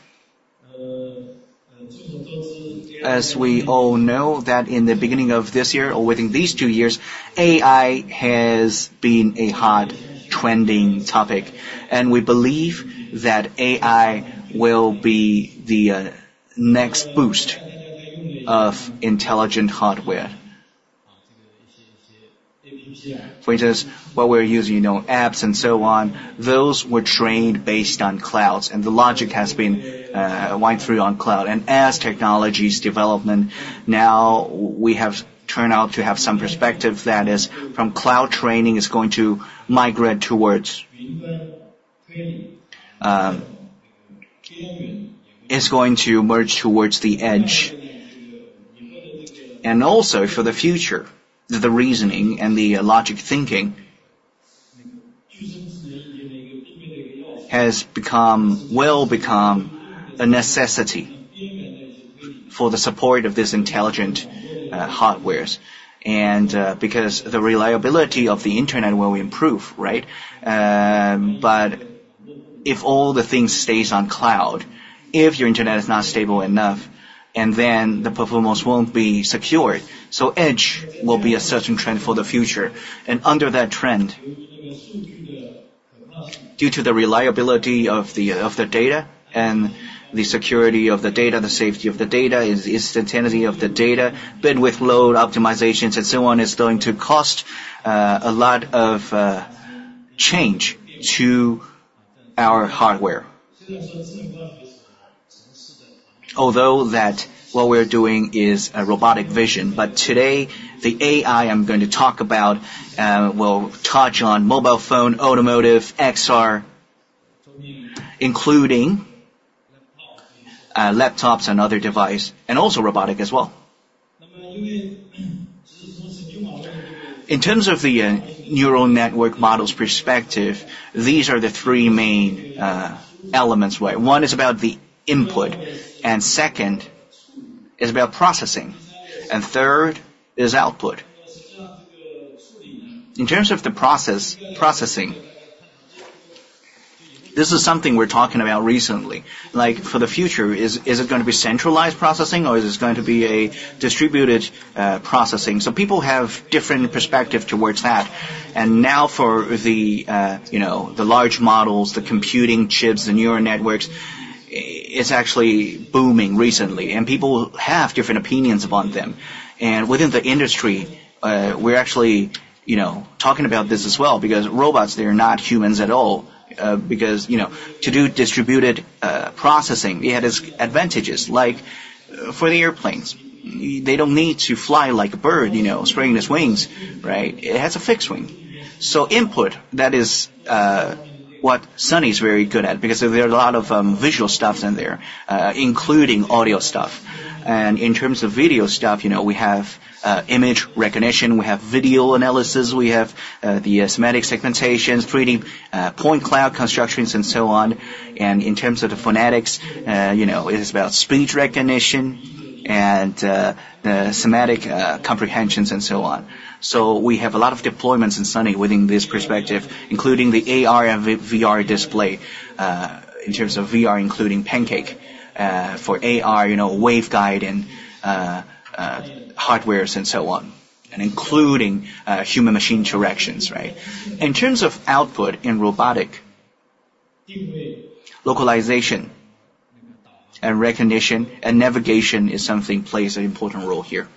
F: As we all know, that in the beginning of this year or within these two years, AI has been a hot trending topic. We believe that AI will be the next boost of intelligent hardware. For instance, what we're using, apps and so on, those were trained based on clouds. The logic has been run through on cloud. As technology's development, now we have come to have some perspective that is from cloud training is going to migrate towards is going to emerge towards the edge. For the future, the reasoning and the logic thinking has well become a necessity for the support of these intelligent hardwares. Because the reliability of the internet will improve, right? But if all the things stays on cloud, if your internet is not stable enough, and then the performance won't be secured. So edge will be a certain trend for the future. Under that trend, due to the reliability of the data and the security of the data, the safety of the data, the instantaneity of the data, bandwidth load optimizations, and so on, is going to cause a lot of change to our hardware. Although what we're doing is robotic vision. But today, the AI I'm going to talk about will touch on mobile phone, automotive, XR, including laptops and other devices, and also robotic as well. In terms of the neural network model's perspective, these are the three main elements, right? One is about the input. Second is about processing. Third is output. In terms of the processing, this is something we're talking about recently. For the future, is it going to be centralized processing, or is it going to be a distributed processing? So people have different perspectives towards that. And now, for the large models, the computing chips, the neural networks, it's actually booming recently. People have different opinions about them. Within the industry, we're actually talking about this as well because robots, they're not humans at all. Because to do distributed processing, it has advantages. Like for the airplanes, they don't need to fly like a bird spreading its wings, right? It has a fixed wing. So input, that is what Sunny is very good at because there are a lot of visual stuff in there, including audio stuff. In terms of video stuff, we have image recognition. We have video analysis. We have the semantic segmentations, 3D point cloud constructions, and so on. In terms of the phonetics, it is about speech recognition and the semantic comprehensions and so on. So we have a lot of deployments in Sunny within this perspective, including the AR and VR display in terms of VR, including pancake for AR, waveguide, and hardware, and so on, and including human-machine interactions, right? In terms of output in robotic, localization and recognition and navigation is something that plays an important role here.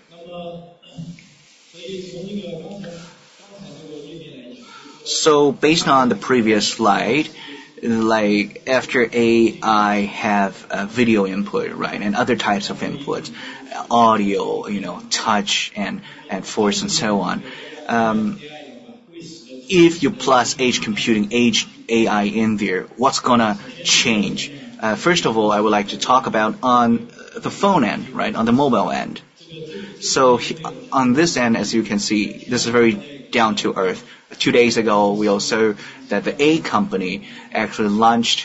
F: So based on the previous slide, after AI have video input, right, and other types of inputs, audio, touch, and force, and so on. If you plus edge computing, edge AI in there, what's going to change? First of all, I would like to talk about on the phone end, right, on the mobile end. So on this end, as you can see, this is very down to earth. Two days ago, we also saw that the A company actually launched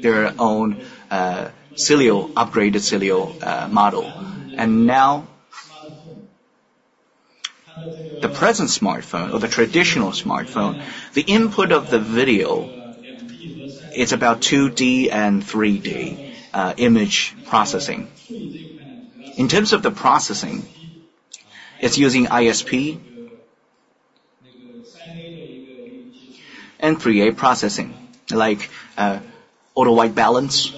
F: their own upgraded Siri model. Now, the present smartphone or the traditional smartphone, the input of the video, it's about 2D and 3D image processing. In terms of the processing, it's using ISP and 3A processing, like auto white balance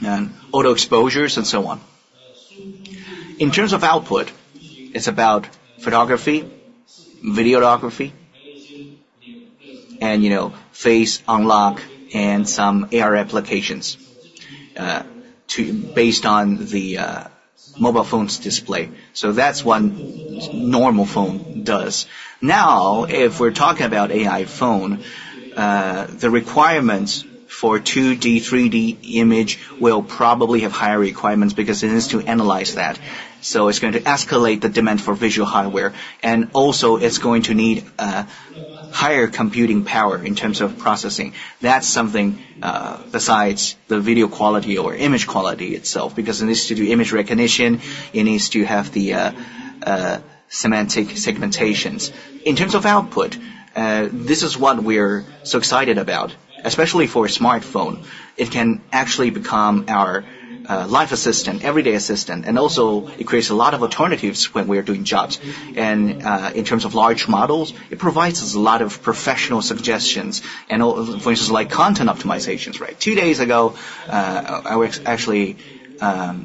F: and auto exposures and so on. In terms of output, it's about photography, videography, and face unlock and some AR applications based on the mobile phone's display. So that's one normal phone does. Now, if we're talking about AI phone, the requirements for 2D, 3D image will probably have higher requirements because it needs to analyze that. So it's going to escalate the demand for visual hardware. And also, it's going to need higher computing power in terms of processing. That's something besides the video quality or image quality itself because it needs to do image recognition. It needs to have the semantic segmentations. In terms of output, this is what we're so excited about, especially for a smartphone. It can actually become our life assistant, everyday assistant. And also, it creates a lot of alternatives when we're doing jobs. And in terms of large models, it provides us a lot of professional suggestions and, for instance, like content optimizations, right? Two days ago, I was actually at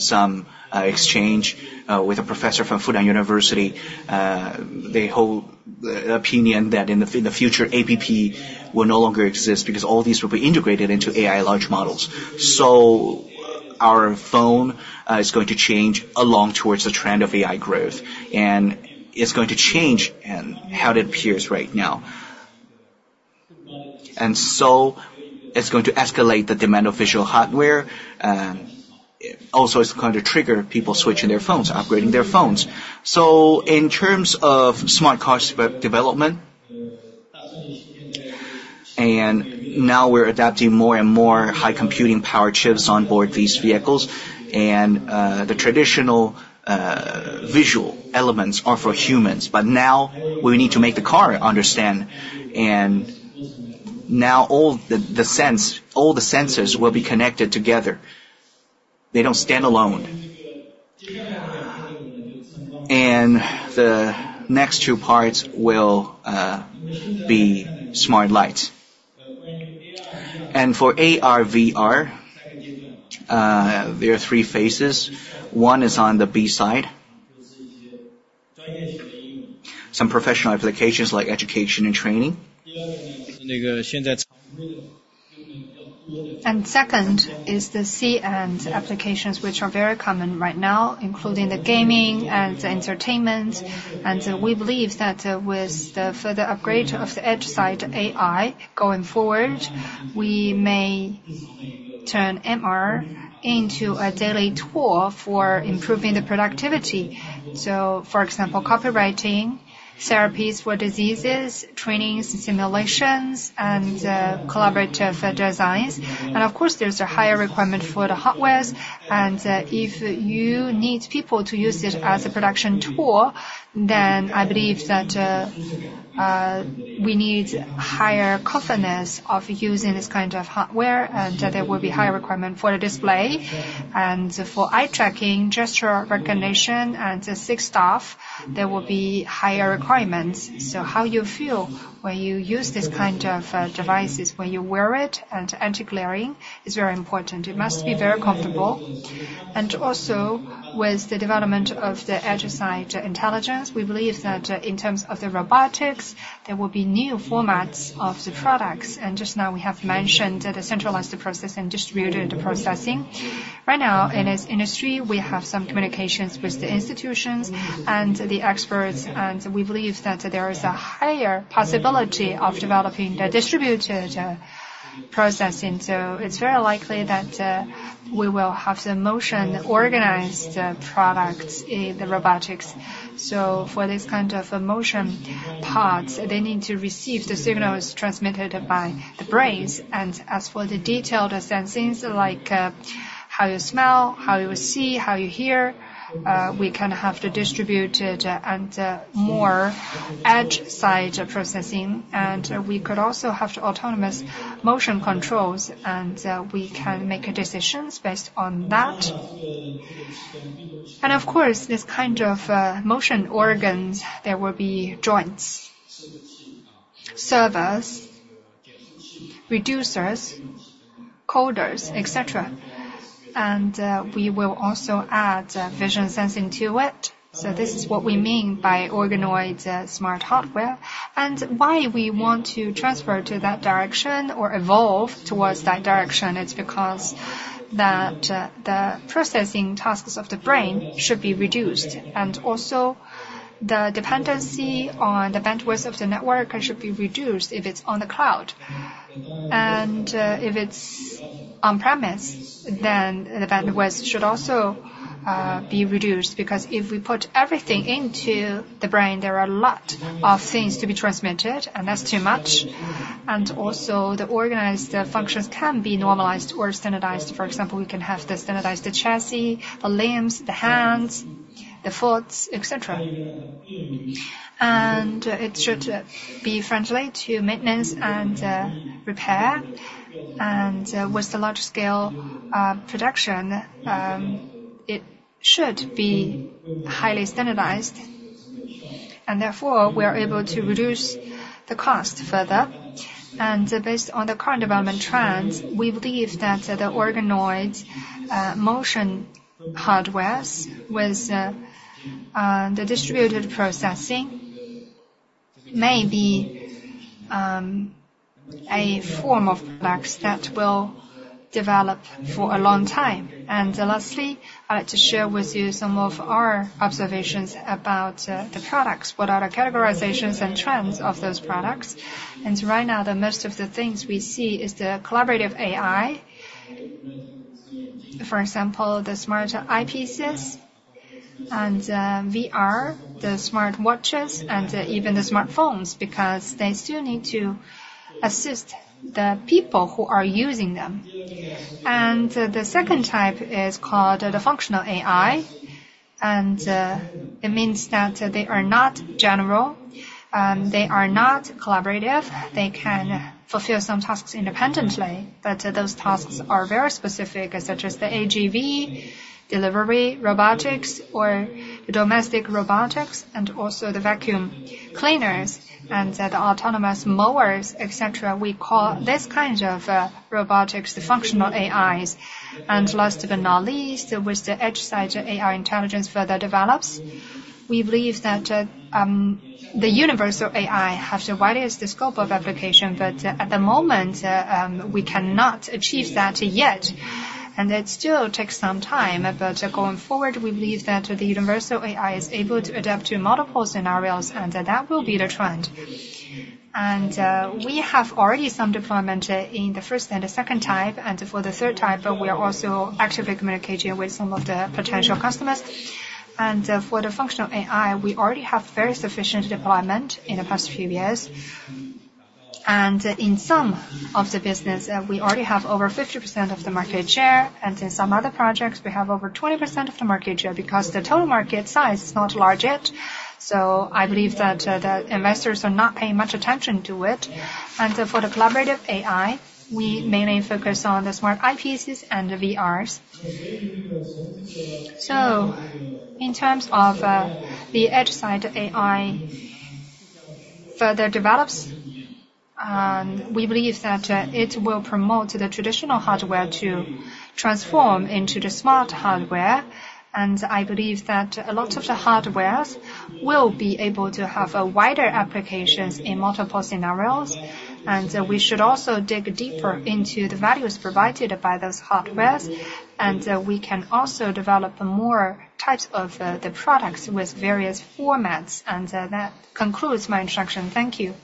F: some exchange with a professor from Fudan University. They hold the opinion that in the future, apps will no longer exist because all these will be integrated into AI large models. So our phone is going to change along towards the trend of AI growth. And it's going to change how it appears right now. And so it's going to escalate the demand of visual hardware. Also, it's going to trigger people switching their phones, upgrading their phones. So in terms of smart cars development, now we're adapting more and more high computing power chips on board these vehicles. The traditional visual elements are for humans. But now we need to make the car understand. Now all the sensors will be connected together. They don't stand alone. The next two parts will be smart lights. For AR, VR, there are three phases. One is on the B side, some professional applications like education and training. Second is the C-end applications which are very common right now, including the gaming and entertainment. We believe that with the further upgrade of the edge side AI going forward, we may turn MR into a daily tool for improving the productivity. For example, copywriting, therapies for diseases, trainings, simulations, and collaborative designs. Of course, there's a higher requirement for the hardware. If you need people to use it as a production tool, then I believe that we need higher confidence of using this kind of hardware. There will be higher requirement for the display. For eye tracking, gesture recognition, and the 6DoF there will be higher requirements. So how you feel when you use this kind of devices, when you wear it, and anti-glaring is very important. It must be very comfortable. With the development of the edge side intelligence, we believe that in terms of the robotics, there will be new formats of the products. Just now, we have mentioned the centralized processing and distributed processing. Right now, in this industry, we have some communications with the institutions and the experts. We believe that there is a higher possibility of developing the distributed processing. It's very likely that we will have the motion-oriented products in the robotics. For this kind of motion parts, they need to receive the signals transmitted by the brain. As for the detailed sensings, like how you smell, how you see, how you hear, we can have the distributed and more edge-side processing. We could also have autonomous motion controls. We can make decisions based on that. Of course, this kind of motion organs, there will be joints, servos, reducers, encoders, etc. We will also add vision sensing to it. This is what we mean by organoid smart hardware. Why we want to transfer to that direction or evolve towards that direction is because the processing tasks of the brain should be reduced. Also, the dependency on the bandwidth of the network should be reduced if it's on the cloud. And if it's on-premise, then the bandwidth should also be reduced because if we put everything into the brain, there are a lot of things to be transmitted, and that's too much. Also, the organized functions can be normalized or standardized. For example, we can have the standardized chassis, the limbs, the hands, the feet, etc. And it should be friendly to maintenance and repair. And with the large-scale production, it should be highly standardized. And therefore, we are able to reduce the cost further. And based on the current development trends, we believe that the humanoid motion hardware with the distributed processing may be a form of products that will develop for a long time. Lastly, I'd like to share with you some of our observations about the products, what are the categorizations and trends of those products. Right now, most of the things we see is the collaborative AI, for example, the smart eyepieces and VR, the smart watches, and even the smartphones because they still need to assist the people who are using them. The second type is called the functional AI. It means that they are not general. They are not collaborative. They can fulfill some tasks independently. Those tasks are very specific, such as the AGV, delivery robotics, or domestic robotics, and also the vacuum cleaners and the autonomous mowers, etc. We call this kind of robotics the functional AIs. Last but not least, with the edge side AI intelligence further develops, we believe that the universal AI has the widest scope of application. But at the moment, we cannot achieve that yet. And it still takes some time. But going forward, we believe that the universal AI is able to adapt to multiple scenarios, and that will be the trend. And we have already some deployment in the first and the second type. And for the third type, we are also actively communicating with some of the potential customers. And for the functional AI, we already have very sufficient deployment in the past few years. And in some of the business, we already have over 50% of the market share. And in some other projects, we have over 20% of the market share because the total market size is not large yet. So I believe that the investors are not paying much attention to it. And for the collaborative AI, we mainly focus on the smart eyepieces and the VRs. In terms of the edge side AI further develops, we believe that it will promote the traditional hardware to transform into the smart hardware. I believe that a lot of the hardware will be able to have wider applications in multiple scenarios. We should also dig deeper into the values provided by those hardwares. We can also develop more types of the products with various formats. That concludes my instruction. Thank you.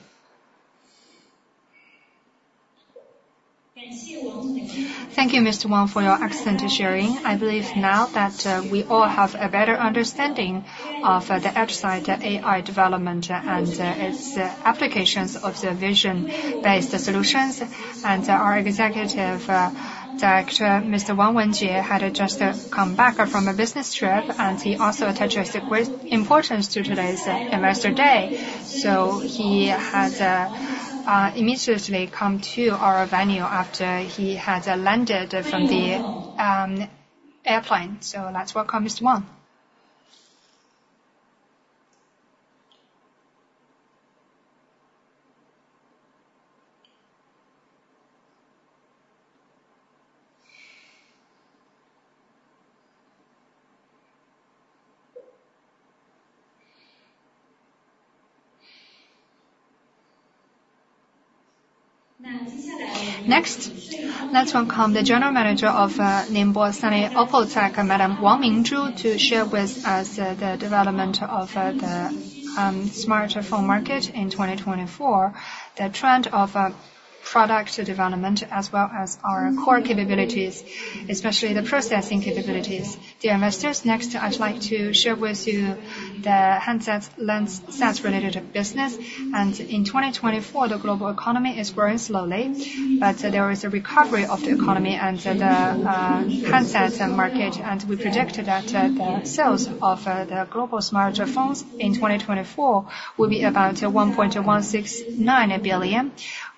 A: Thank you, Mr. Wang, for your excellent sharing. I believe now that we all have a better understanding of the edge side AI development and its applications of the vision-based solutions. Our Executive Director, Wang Zhongwei, had just come back from a business trip. He also attaches great importance to today's Investor Day. He has immediately come to our venue after he had landed from the airplane. So let's welcome Mr. Wang. Next, let's welcome the general manager of Ningbo Sunny Opotech, Madame Wang Mingzhu, to share with us the development of the smartphone market in 2024, the trend of product development, as well as our core capabilities, especially the processing capabilities.
G: Dear investors, next, I'd like to share with you the handset-related business. In 2024, the global economy is growing slowly, but there is a recovery of the economy and the handset market. We predict that the sales of the global smartphones in 2024 will be about 1.169 billion,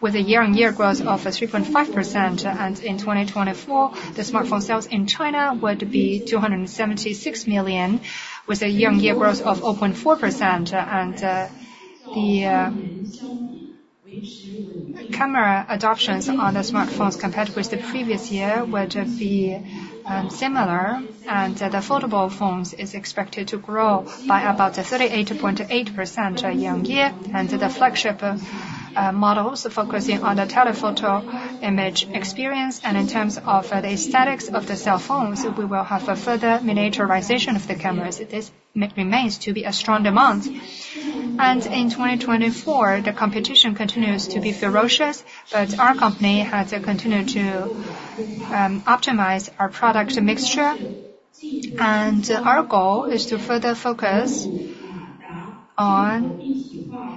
G: with a year-on-year growth of 3.5%. In 2024, the smartphone sales in China would be 276 million, with a year-on-year growth of 0.4%. The camera adoptions on the smartphones compared with the previous year would be similar. The foldable phones are expected to grow by about 38.8% year-on-year. The flagship models are focusing on the telephoto image experience. In terms of the aesthetics of the cell phones, we will have a further miniaturization of the cameras. This remains to be a strong demand. In 2024, the competition continues to be ferocious, but our company has continued to optimize our product mixture. Our goal is to further focus on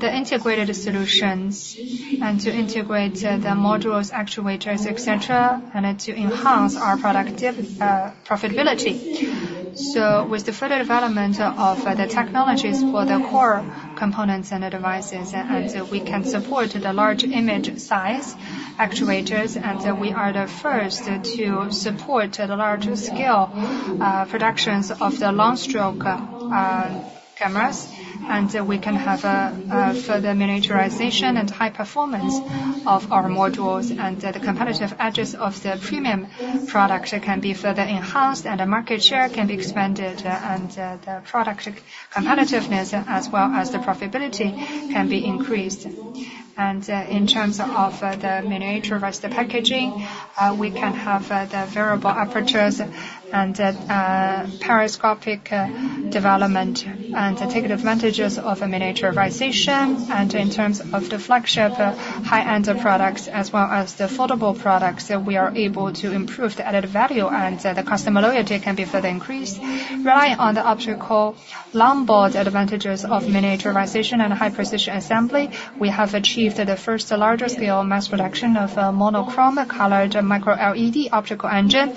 G: the integrated solutions and to integrate the modules, actuators, etc., and to enhance our productive profitability. With the further development of the technologies for the core components and the devices, we can support the large image size actuators. We are the first to support the large-scale productions of the long-stroke cameras. We can have further miniaturization and high performance of our modules. The competitive edges of the premium product can be further enhanced, and the market share can be expanded. The product competitiveness, as well as the profitability, can be increased. In terms of the miniaturized packaging, we can have the variable apertures and periscope development and take advantages of miniaturization. In terms of the flagship high-end products, as well as the foldable products, we are able to improve the added value, and the customer loyalty can be further increased. Relying on the optical longboard advantages of miniaturization and high-precision assembly, we have achieved the first larger-scale mass production of a monochrome-colored micro-LED optical engine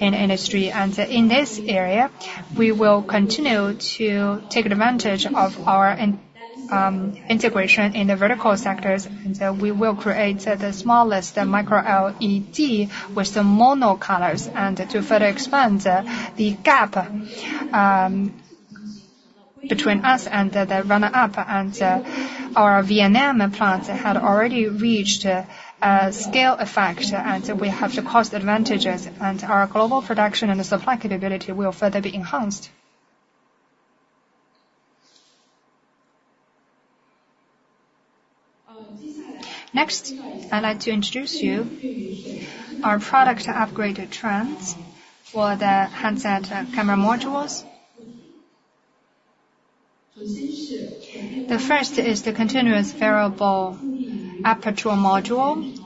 G: in industry. In this area, we will continue to take advantage of our integration in the vertical sectors. We will create the smallest micro-LED with the mono colors to further expand the gap between us and the runner-up. Our VNM plant had already reached a scale effect. We have the cost advantages. And our global production and the supply capability will further be enhanced. Next, I'd like to introduce you to our product upgrade trends for the handset camera modules. The first is the continuous variable aperture module.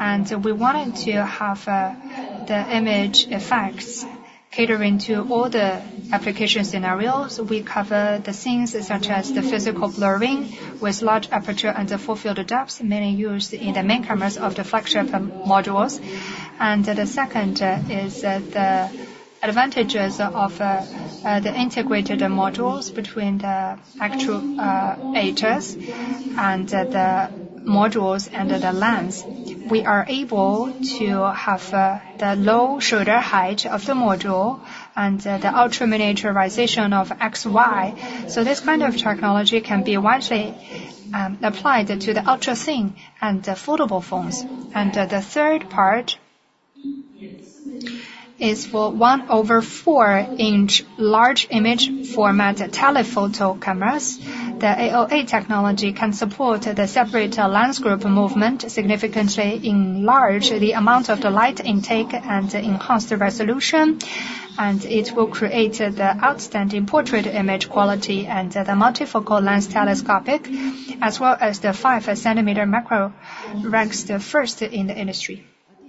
G: And we wanted to have the image effects catering to all the application scenarios. We cover the scenes such as the physical blurring with large aperture and the full depth of field mainly used in the main cameras of the flagship modules. And the second is the advantages of the integrated modules between the actuators and the modules and the lens. We are able to have the low stack height of the module and the ultra miniaturization of XY. So this kind of technology can be widely applied to the ultra thin and the foldable phones. And the third part is for 1/4-inch large image format telephoto cameras. The AOA technology can support the separate lens group movement significantly enlarge the amount of the light intake and enhance the resolution. It will create the outstanding portrait image quality and the multifocal lens telescopic, as well as the 5-centimeter macro ranks the first in the industry.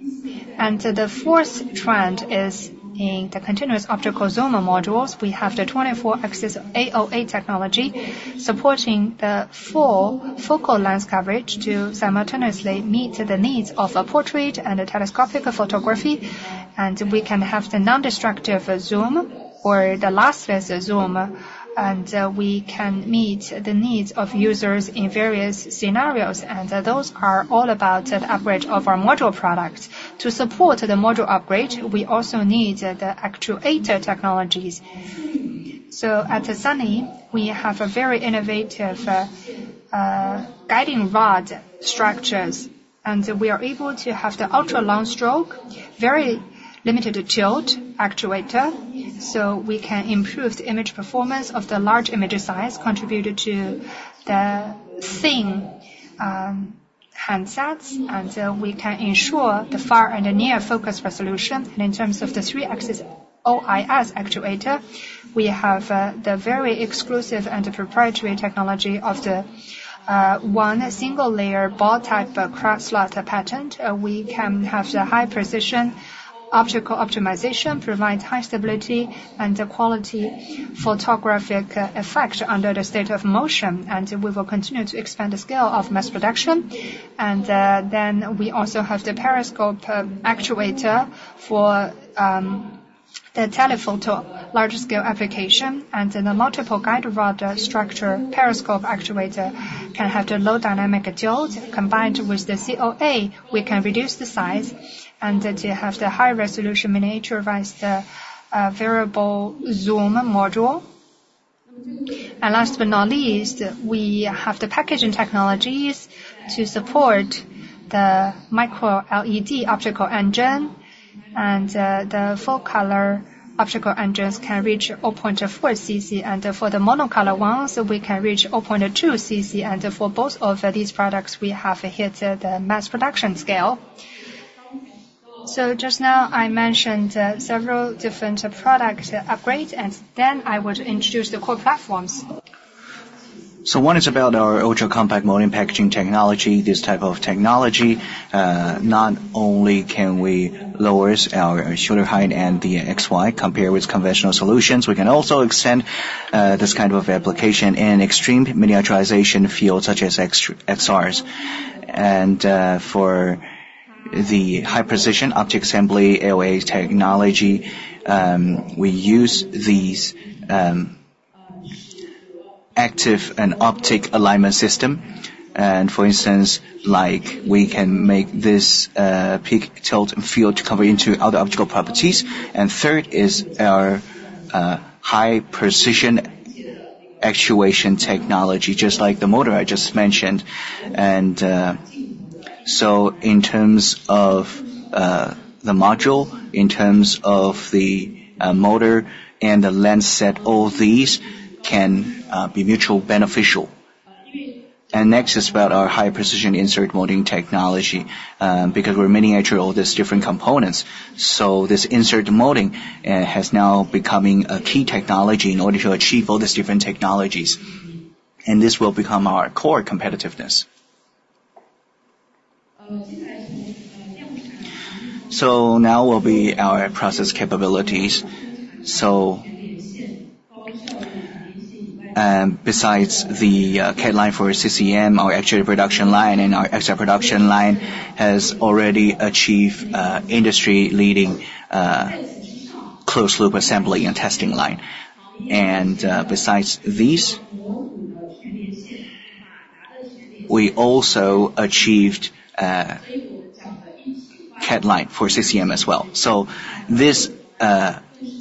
G: The fourth trend is in the continuous optical zoom modules. We have the 24-axis AOA technology supporting the full focal lens coverage to simultaneously meet the needs of a portrait and a telescopic photography. We can have the non-destructive zoom or the lossless zoom. We can meet the needs of users in various scenarios. Those are all about the upgrade of our module products. To support the module upgrade, we also need the actuator technologies. At Sunny, we have a very innovative guiding rod structures. We are able to have the ultra long stroke, very limited tilt actuator. So we can improve the image performance of the large image size contributed to the thin handsets. We can ensure the far and near focus resolution. In terms of the 3-axis OIS actuator, we have the very exclusive and proprietary technology of the one single-layer ball-type cross slot patent. We can have the high-precision optical optimization, provide high stability and quality photographic effect under the state of motion. We will continue to expand the scale of mass production. Then we also have the periscope actuator for the telephoto large-scale application. The multiple guide rod structure periscope actuator can have the low dynamic tilt. Combined with the AOA, we can reduce the size and to have the high-resolution miniaturized variable zoom module. And last but not least, we have the packaging technologies to support the micro-LED optical engine. The full-color optical engines can reach 0.4 cc. For the monochrome ones, we can reach 0.2 cc. For both of these products, we have hit the mass production scale. Just now, I mentioned several different product upgrades. Then I would introduce the core platforms. One is about our ultra-compact module and packaging technology. This type of technology not only can lower our z-height and the XY compared with conventional solutions, but we can also extend this kind of application in extreme miniaturization fields such as XRs. For the high-precision optical assembly AOA technology, we use these active optical alignment systems. For instance, we can make this peak tilt field to cover into other optical properties. And third is our high-precision actuation technology, just like the motor I just mentioned. And so in terms of the module, in terms of the motor and the lens set, all these can be mutually beneficial. And next is about our high-precision insert molding technology because we're miniaturizing all these different components. So this insert molding has now become a key technology in order to achieve all these different technologies. And this will become our core competitiveness. So now will be our process capabilities. So besides the CAD line for CCM, our actuator production line and our XR production line has already achieved industry-leading closed-loop assembly and testing line. And besides these, we also achieved CAD line for CCM as well. So this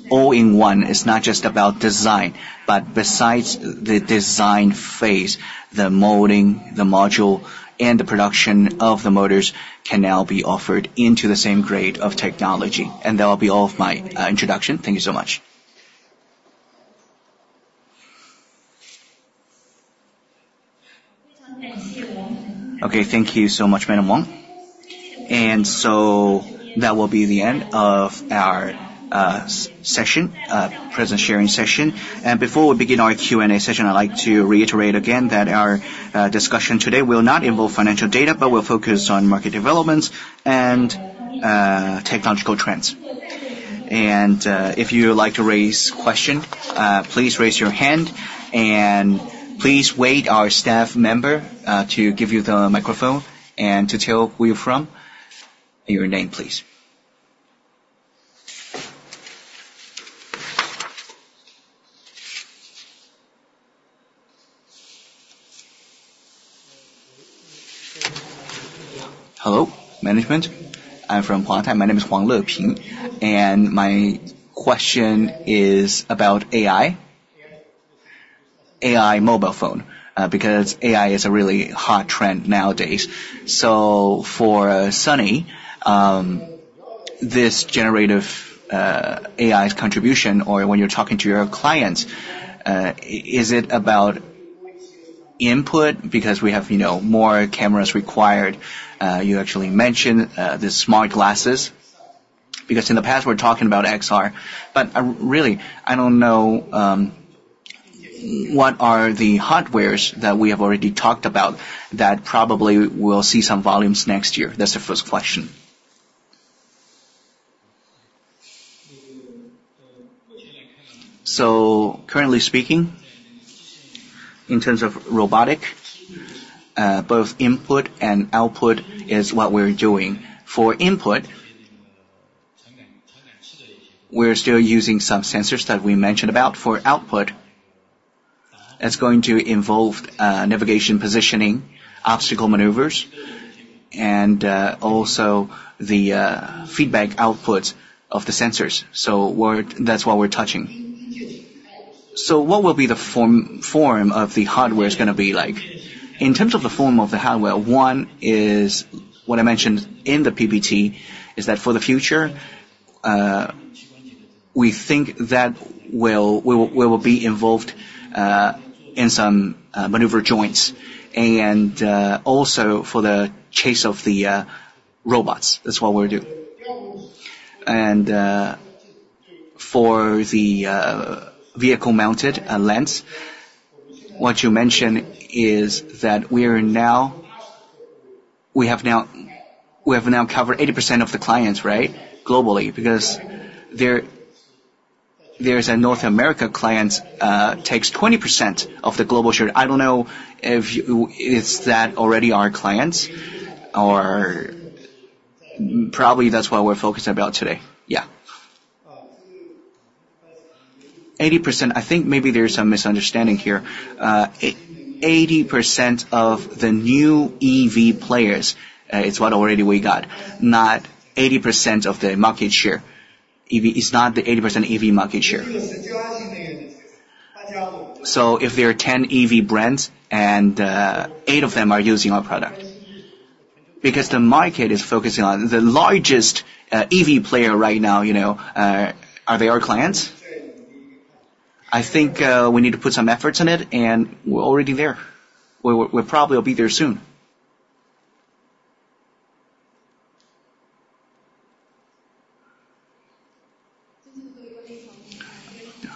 G: all-in-one is not just about design, but besides the design phase, the molding, the module, and the production of the motors can now be offered into the same grade of technology. And that will be all of my introduction. Thank you so much.
A: Okay. Thank you so much, Madam Wang. And so that will be the end of our session, presentation sharing session. And before we begin our Q&A session, I'd like to reiterate again that our discussion today will not involve financial data, but we'll focus on market developments and technological trends. And if you'd like to raise a question, please raise your hand. And please wait for our staff member to give you the microphone and to tell where you're from and your name, please.
H: Hello, management. I'm from Huatai. My name is Huang Leping. My question is about AI, AI mobile phone, because AI is a really hot trend nowadays. So for Sunny, this generative AI contribution, or when you're talking to your clients, is it about input because we have more cameras required? You actually mentioned the smart glasses because in the past, we're talking about XR. But really, I don't know what are the hardwares that we have already talked about that probably will see some volumes next year? That's the first question.
F: So currently speaking, in terms of robotics, both input and output is what we're doing. For input, we're still using some sensors that we mentioned about. For output, it's going to involve navigation, positioning, obstacle maneuvers, and also the feedback outputs of the sensors. So that's what we're touching.
H: So what will be the form of the hardware is going to be like?
F: In terms of the form of the hardware, one is what I mentioned in the PPT, is that for the future, we think that we will be involved in some maneuver joints. And also for the chase of the robots, that's what we're doing. And for the vehicle-mounted lens, what you mentioned is that we have now covered 80% of the clients, right, globally, because there's a North America client that takes 20% of the global share. I don't know if that's already our clients, or probably that's what we're focused about today. Yeah. 80%, I think maybe there's some misunderstanding here. 80% of the new EV players is what already we got, not 80% of the market share. It's not the 80% EV market share.
H: So if there are 10 EV brands and eight of them are using our product because the market is focusing on the largest EV player right now, are they our clients?
F: I think we need to put some efforts in it, and we're already there. We probably will be there soon.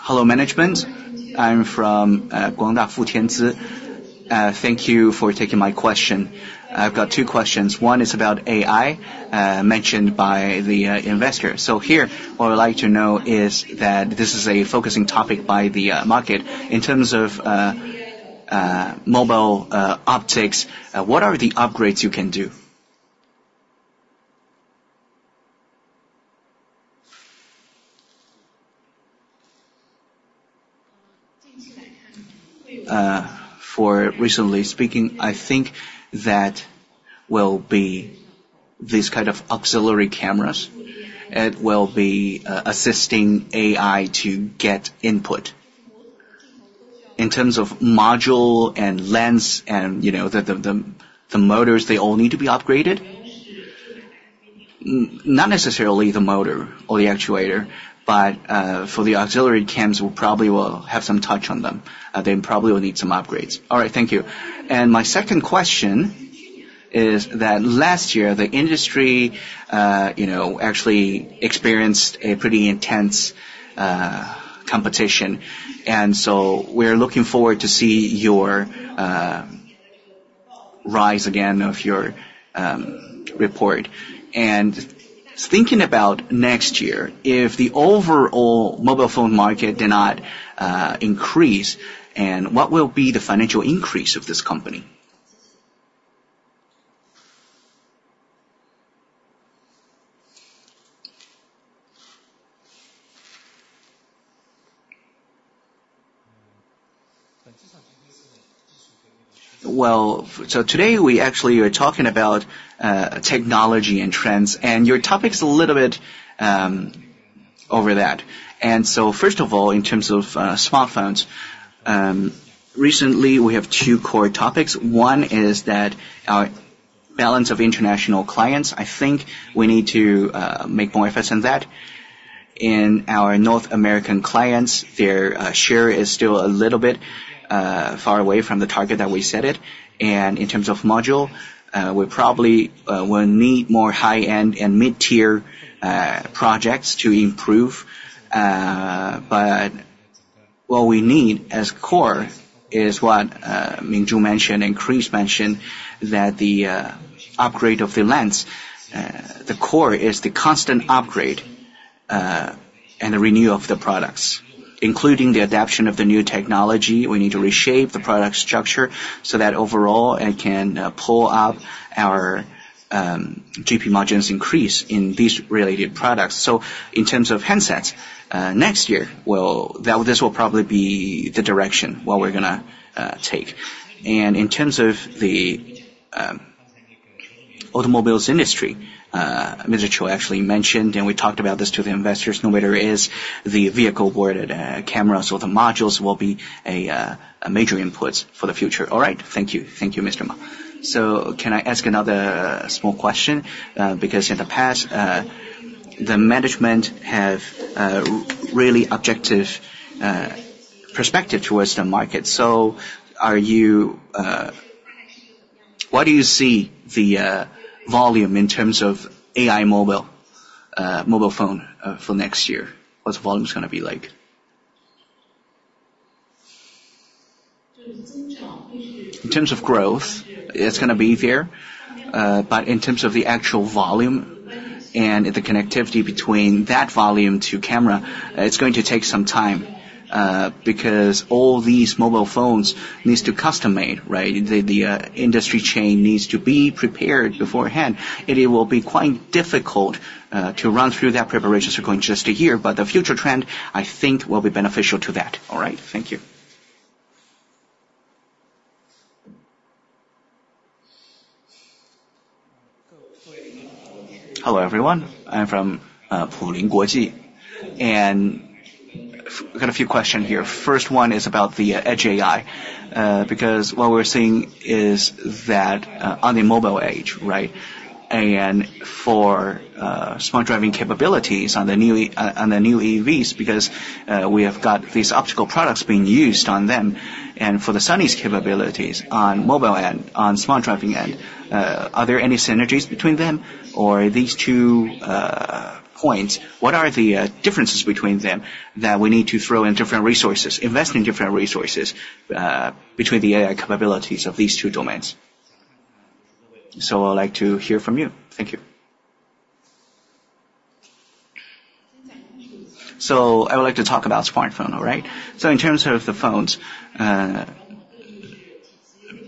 I: Hello, management. I'm from Guangda, Fu Tianzi. Thank you for taking my question. I've got two questions. One is about AI mentioned by the investor. So here, what I'd like to know is that this is a focusing topic by the market. In terms of mobile optics, what are the upgrades you can do? For recently speaking, I think that will be these kind of auxiliary cameras. It will be assisting AI to get input. In terms of module and lens and the motors, they all need to be upgraded?
J: Not necessarily the motor or the actuator, but for the auxiliary cams, we probably will have some touch on them. They probably will need some upgrades.
I: All right. Thank you. And my second question is that last year, the industry actually experienced a pretty intense competition. And so we're looking forward to see your rise again of your report. And thinking about next year, if the overall mobile phone market did not increase, what will be the financial increase of this company?
K: Well, so today, we actually are talking about technology and trends. And your topic's a little bit over that. And so first of all, in terms of smartphones, recently, we have two core topics. One is that our balance of international clients, I think we need to make more efforts in that. In our North American clients, their share is still a little bit far away from the target that we set it. In terms of module, we probably will need more high-end and mid-tier projects to improve. But what we need as core is what Mingzhu mentioned, and Chris mentioned, that the upgrade of the lens, the core is the constant upgrade and the renew of the products, including the adaption of the new technology. We need to reshape the product structure so that overall, it can pull up our GP margins increase in these related products. In terms of handsets, next year, this will probably be the direction what we're going to take. In terms of the automobiles industry, Mr. Qiu actually mentioned, and we talked about this to the investors. No matter is the vehicle board cameras or the modules will be a major input for the future. All right. Thank you.
I: Thank you, Mr. Ma. So can I ask another small question? Because in the past, the management have really objective perspective towards the market. So what do you see the volume in terms of AI mobile phone for next year? What's the volume going to be like?
J: In terms of growth, it's going to be there. But in terms of the actual volume and the connectivity between that volume to camera, it's going to take some time because all these mobile phones need to be custom-made, right? The industry chain needs to be prepared beforehand. It will be quite difficult to run through that preparation cycle in just a year. But the future trend, I think, will be beneficial to that.
I: All right. Thank you.
L: Hello, everyone. I'm from SPDB International. I've got a few questions here. First one is about the edge AI because what we're seeing is that on the mobile AI, right, and for smart driving capabilities on the new EVs because we have got these optical products being used on them. And for Sunny's capabilities on mobile end, on smart driving end, are there any synergies between them? Or these two points, what are the differences between them that we need to throw in different resources, invest in different resources between the AI capabilities of these two domains? I'd like to hear from you. Thank you.
G: I would like to talk about smartphone, all right? In terms of the phones,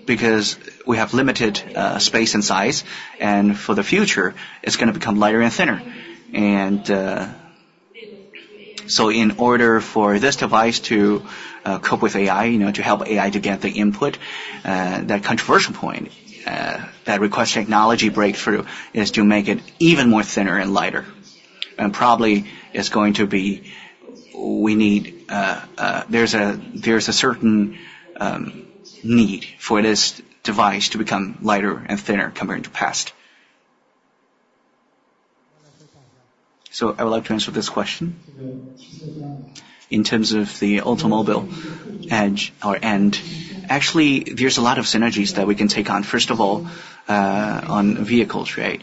G: because we have limited space and size, and for the future, it's going to become lighter and thinner. In order for this device to cope with AI, to help AI to get the input, that controversial point that requests technology breakthrough is to make it even more thinner and lighter. Probably it's going to be there's a certain need for this device to become lighter and thinner compared to the past. So I would like to answer this question. In terms of the automobile edge or end, actually, there's a lot of synergies that we can take on. First of all, on vehicles, right?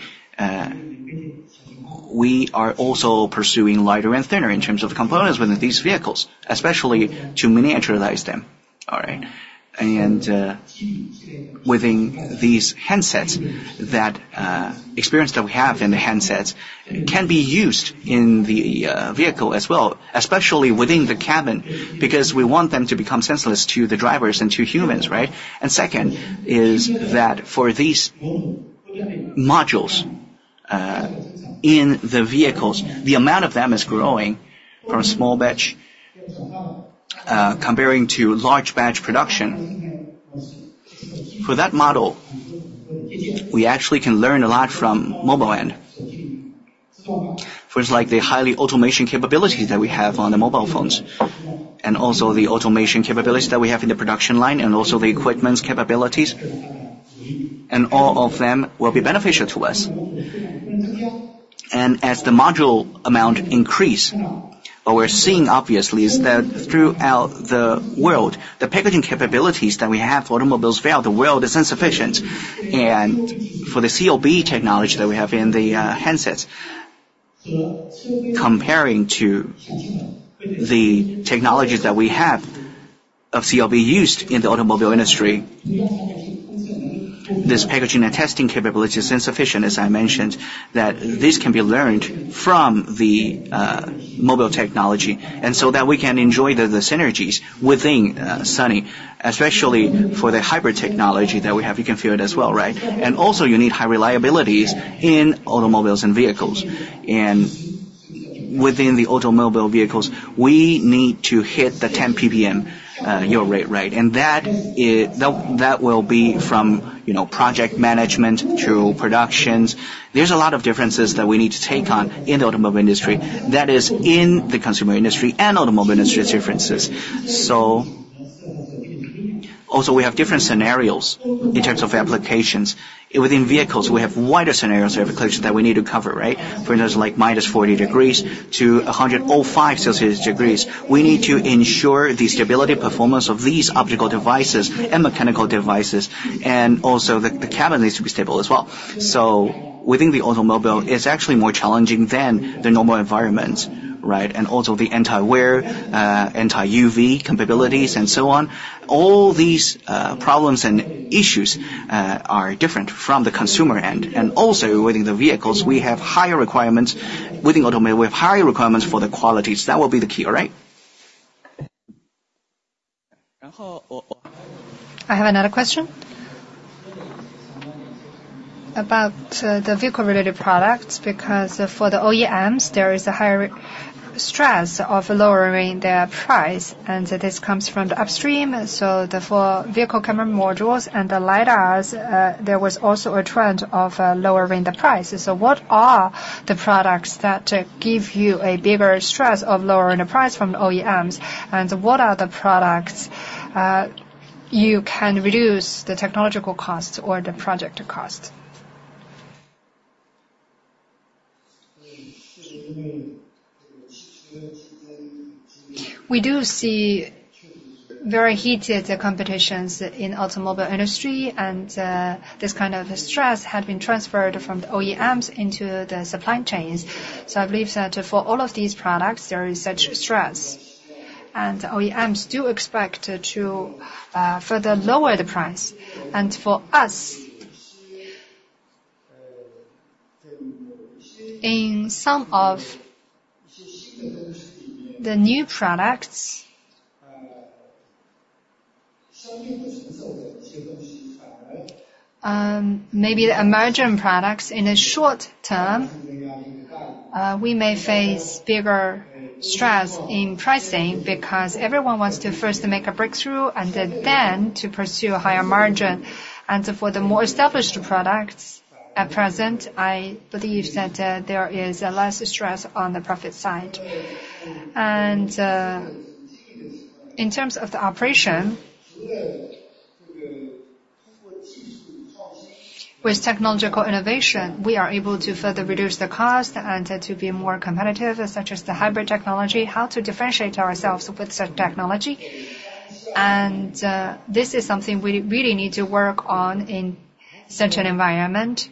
G: We are also pursuing lighter and thinner in terms of the components within these vehicles, especially to miniaturize them, all right? And within these handsets, that experience that we have in the handsets can be used in the vehicle as well, especially within the cabin because we want them to become senseless to the drivers and to humans, right? Second, for these modules in the vehicles, the amount of them is growing from small batch comparing to large batch production. For that model, we actually can learn a lot from mobile end. For instance, like the highly automation capabilities that we have on the mobile phones and also the automation capabilities that we have in the production line and also the equipment's capabilities. All of them will be beneficial to us. As the module amount increase, what we're seeing obviously is that throughout the world, the packaging capabilities that we have for automobiles throughout the world is insufficient. For the COB technology that we have in the handsets, comparing to the technologies that we have of COB used in the automobile industry, this packaging and testing capability is insufficient, as I mentioned, that this can be learned from the mobile technology. So that we can enjoy the synergies within Sunny, especially for the hybrid technology that we have. You can feel it as well, right? And also, you need high reliabilities in automobiles and vehicles. And within the automobile vehicles, we need to hit the 10 PPM yield rate, right? And that will be from project management to production. There's a lot of differences that we need to take on in the automobile industry. That is in the consumer industry and automobile industry differences. So also, we have different scenarios in terms of applications. Within vehicles, we have wider scenarios of applications that we need to cover, right? For instance, like -40 degrees to 105 degrees Celsius, we need to ensure the stability performance of these optical devices and mechanical devices. And also, the cabin needs to be stable as well. So within the automobile, it's actually more challenging than the normal environments, right? And also the anti-wear, anti-UV capabilities, and so on. All these problems and issues are different from the consumer end. And also, within the vehicles, we have higher requirements. Within automobile, we have higher requirements for the qualities. That will be the key, all right?
L: I have another question about the vehicle-related products because for the OEMs, there is a higher stress of lowering their price. And this comes from the upstream. So for vehicle camera modules and the LiDARs, there was also a trend of lowering the price. So what are the products that give you a bigger stress of lowering the price from the OEMs? And what are the products you can reduce the technological cost or the project cost?
D: We do see very heated competitions in the automobile industry, and this kind of stress had been transferred from the OEMs into the supply chains. So I believe that for all of these products, there is such stress. And OEMs do expect to further lower the price. And for us, in some of the new products, maybe the emerging products, in the short term, we may face bigger stress in pricing because everyone wants to first make a breakthrough and then to pursue a higher margin. And for the more established products at present, I believe that there is less stress on the profit side. And in terms of the operation, with technological innovation, we are able to further reduce the cost and to be more competitive, such as the hybrid technology, how to differentiate ourselves with such technology. This is something we really need to work on in such an environment.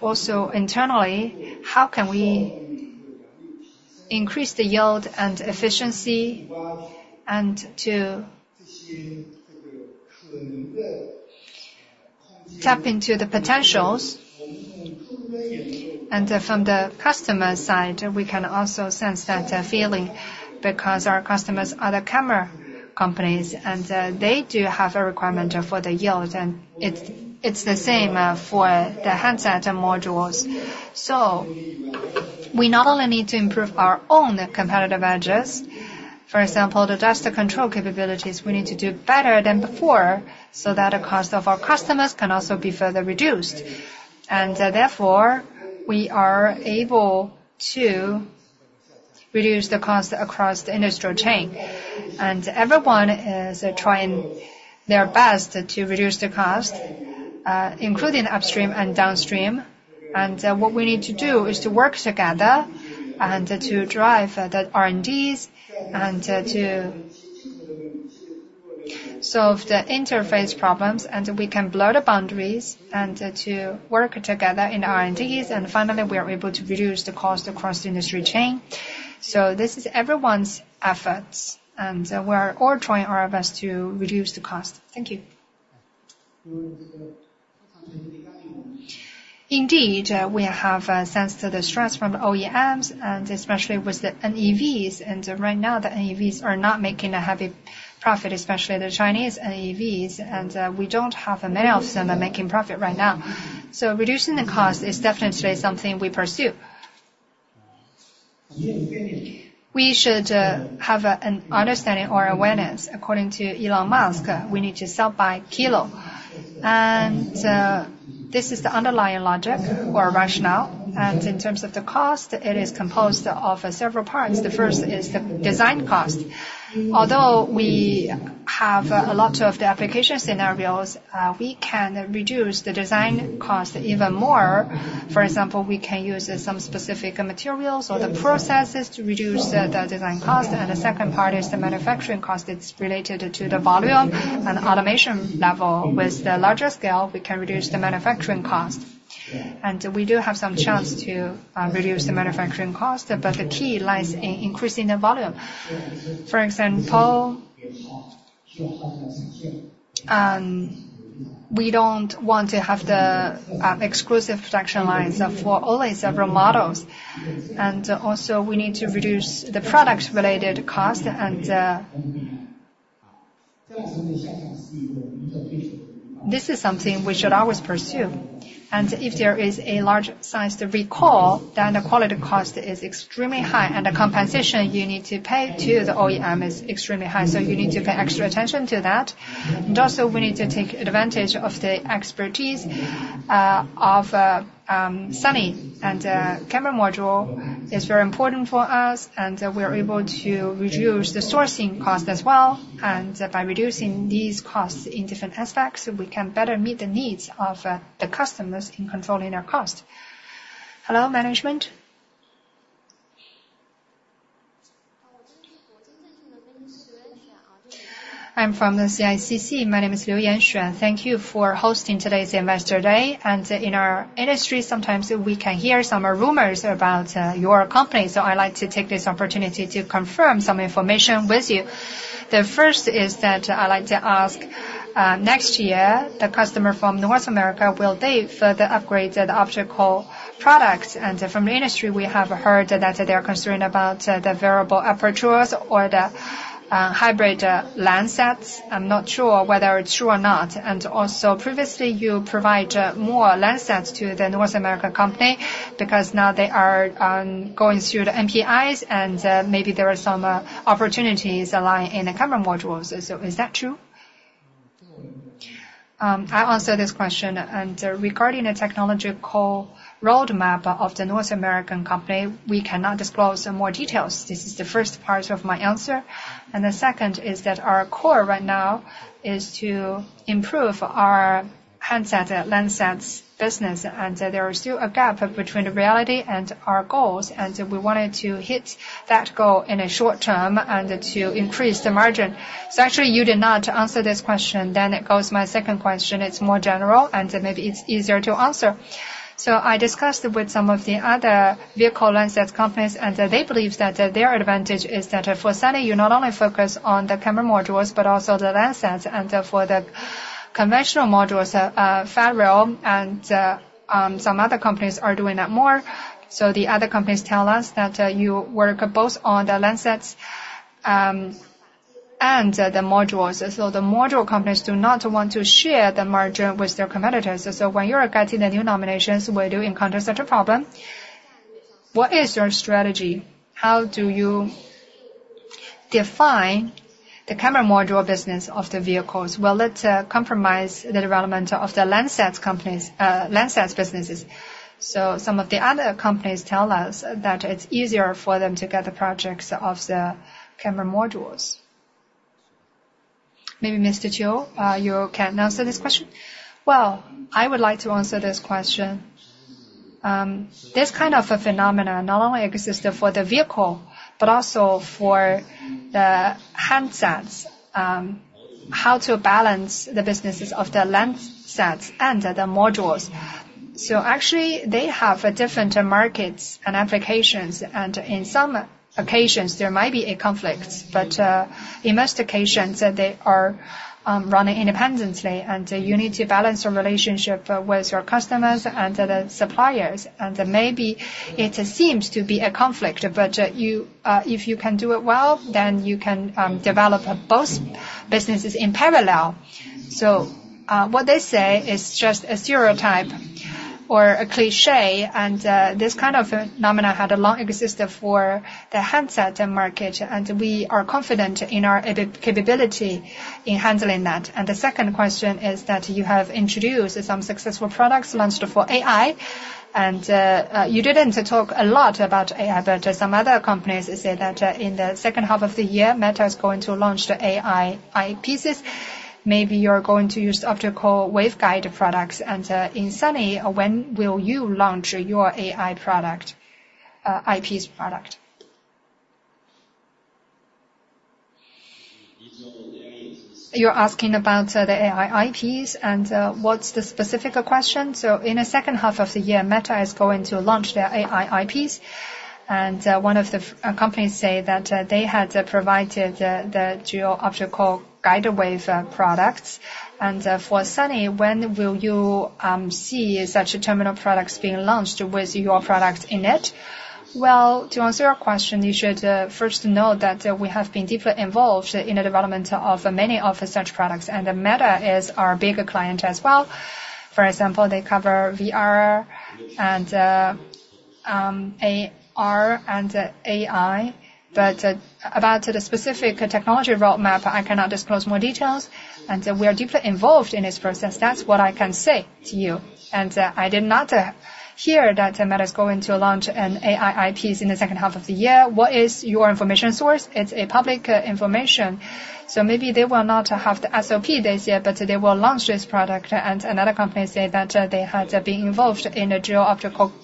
D: Also internally, how can we increase the yield and efficiency and to tap into the potentials? From the customer side, we can also sense that feeling because our customers are the camera companies, and they do have a requirement for the yield. It's the same for the handset and modules. So we not only need to improve our own competitive edges. For example, the dust control capabilities, we need to do better than before so that the cost of our customers can also be further reduced. Therefore, we are able to reduce the cost across the industrial chain. Everyone is trying their best to reduce the cost, including upstream and downstream. What we need to do is to work together and to drive the R&Ds and to solve the interface problems, and we can blur the boundaries and to work together in R&Ds. Finally, we are able to reduce the cost across the industry chain. So this is everyone's efforts, and we are all trying our best to reduce the cost. Thank you.
B: Indeed, we have sensed the stress from the OEMs, and especially with the NEVs. Right now, the NEVs are not making a heavy profit, especially the Chinese NEVs. We don't have many of them making profit right now. So reducing the cost is definitely something we pursue. We should have an understanding or awareness. According to Elon Musk, we need to sell by kilo. This is the underlying logic or rationale. In terms of the cost, it is composed of several parts. The first is the design cost. Although we have a lot of the application scenarios, we can reduce the design cost even more. For example, we can use some specific materials or the processes to reduce the design cost. The second part is the manufacturing cost. It's related to the volume and automation level. With the larger scale, we can reduce the manufacturing cost. We do have some chance to reduce the manufacturing cost, but the key lies in increasing the volume. For example, we don't want to have the exclusive production lines for only several models. We also need to reduce the product-related cost. This is something we should always pursue. If there is a large-sized recall, then the quality cost is extremely high, and the compensation you need to pay to the OEM is extremely high. So you need to pay extra attention to that. And also, we need to take advantage of the expertise of Sunny. And the camera module is very important for us, and we are able to reduce the sourcing cost as well. And by reducing these costs in different aspects, we can better meet the needs of the customers in controlling their cost.
M: Hello, management. I'm from the CICC. Myname is Liu Yanshuan. Thank you for hosting today's Investor Day. And in our industry, sometimes we can hear some rumors about your company. So I'd like to take this opportunity to confirm some information with you. The first is that I'd like to ask, next year, the customer from North America, will they further upgrade the optical products? And from the industry, we have heard that they are concerned about the variable apertures or the hybrid lens sets. I'm not sure whether it's true or not. Also, previously, you provided more lens sets to the North American company because now they are going through the MPIs, and maybe there are some opportunities aligned in the camera modules. So is that true?
K: I answered this question. Regarding the technological roadmap of the North American company, we cannot disclose more details. This is the first part of my answer. The second is that our core right now is to improve our handset lens sets business. There is still a gap between reality and our goals. We wanted to hit that goal in the short term and to increase the margin. Actually, you did not answer this question. It goes to my second question. It's more general, and maybe it's easier to answer. I discussed with some of the other vehicle lens sets companies, and they believe that their advantage is that for Sunny, you not only focus on the camera modules, but also the lens sets. For the conventional modules, Valeo and some other companies are doing that more. The other companies tell us that you work both on the lens sets and the modules. The module companies do not want to share the margin with their competitors. When you are getting the new nominations, will you encounter such a problem? What is your strategy? How do you define the camera module business of the vehicles? Will it compromise the development of the lens sets businesses? Some of the other companies tell us that it's easier for them to get the projects of the camera modules. Maybe Mr. Qiu, you can answer this question.
D: Well, I would like to answer this question. This kind of phenomenon not only exists for the vehicle, but also for the handsets. How to balance the businesses of the lens sets and the modules? Actually, they have different markets and applications. In some occasions, there might be conflicts, but in most occasions, they are running independently. You need to balance the relationship with your customers and the suppliers. Maybe it seems to be a conflict, but if you can do it well, then you can develop both businesses in parallel. What they say is just a stereotype or a cliché. This kind of phenomenon had a long existence for the handset market. We are confident in our capability in handling that.
M: The second question is that you have introduced some successful products launched for AI. You didn't talk a lot about AI, but some other companies say that in the second half of the year, Meta is going to launch the AI eyepieces. Maybe you're going to use optical waveguide products. And in Sunny, when will you launch your AI IPs product?
F: You're asking about the AI IPs and what's the specific question?
M: So in the second half of the year, Meta is going to launch their AI IPs. And one of the companies said that they had provided the dual optical waveguide products. And for Sunny, when will you see such terminal products being launched with your product in it?
F: Well, to answer your question, you should first know that we have been deeply involved in the development of many of such products. And Meta is our bigger client as well. For example, they cover VR and AR and AI. But about the specific technology roadmap, I cannot disclose more details. And we are deeply involved in this process. That's what I can say to you. And I did not hear that Meta is going to launch an AI IPs in the second half of the year. What is your information source?
M: It's public information.
F: So maybe they will not have the SOP, they said, but they will launch this product. And another company said that they had been involved in a dual optical waveguide.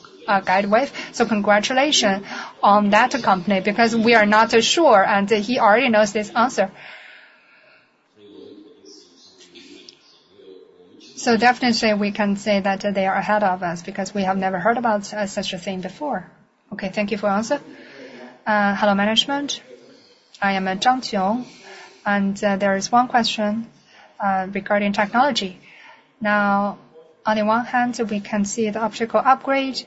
F: So congratulations on that company because we are not sure. And he already knows this answer. So definitely, we can say that they are ahead of us because we have never heard about such a thing before.
M: Okay. Thank you for your answer.
N: Hello, management. I am Zhang Qiang. And there is one question regarding technology. Now, on the one hand, we can see the optical upgrade.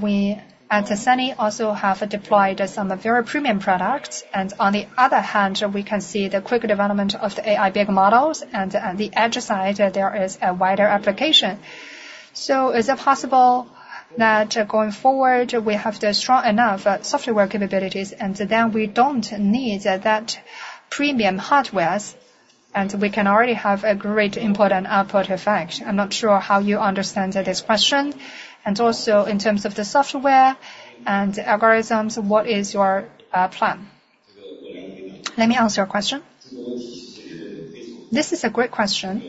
N: We at Sunny also have deployed some very premium products. On the other hand, we can see the quick development of the AI big models. On the edge side, there is a wider application. So is it possible that going forward, we have the strong enough software capabilities, and then we don't need that premium hardware? We can already have a great input and output effect. I'm not sure how you understand this question. Also, in terms of the software and algorithms, what is your plan?
J: Let me answer your question. This is a great question.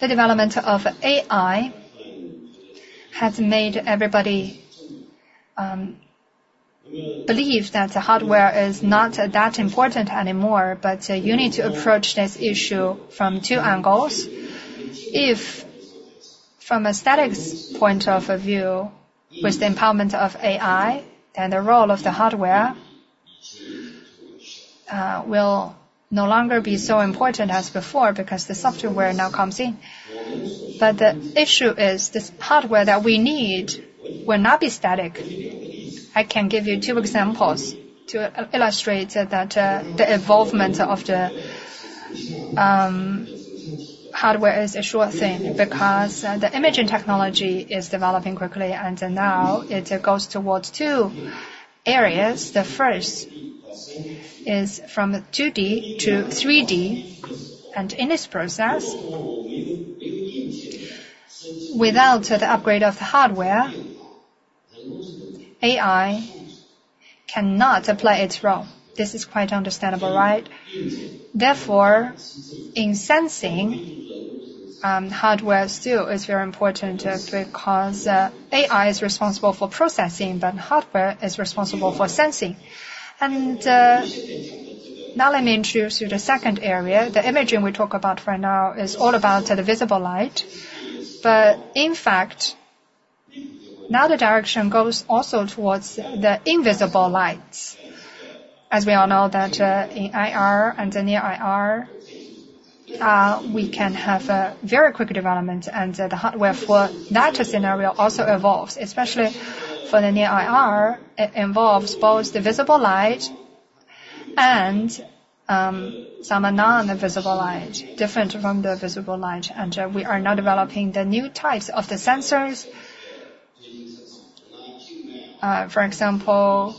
J: The development of AI has made everybody believe that hardware is not that important anymore, but you need to approach this issue from two angles. If from a static point of view, with the empowerment of AI, then the role of the hardware will no longer be so important as before because the software now comes in. But the issue is this hardware that we need will not be static. I can give you two examples to illustrate that the involvement of the hardware is a sure thing because the imaging technology is developing quickly. Now it goes towards two areas. The first is from 2D to 3D. And in this process, without the upgrade of the hardware, AI cannot play its role. This is quite understandable, right? Therefore, in sensing, hardware still is very important because AI is responsible for processing, but hardware is responsible for sensing. Now let me introduce you to the second area. The imaging we talk about right now is all about the visible light. But in fact, now the direction goes also towards the invisible lights. As we all know that in IR and near IR, we can have a very quick development. And the hardware for that scenario also evolves, especially for the near IR. It involves both the visible light and some non-visible light, different from the visible light. And we are now developing the new types of the sensors. For example,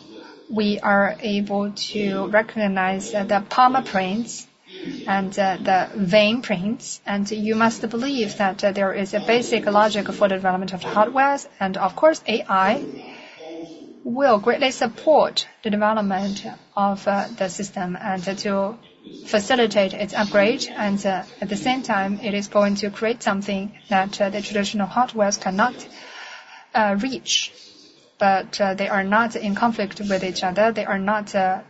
J: we are able to recognize the palmar prints and the vein prints. And you must believe that there is a basic logic for the development of the hardware. And of course, AI will greatly support the development of the system and to facilitate its upgrade. And at the same time, it is going to create something that the traditional hardware cannot reach. But they are not in conflict with each other. They are not the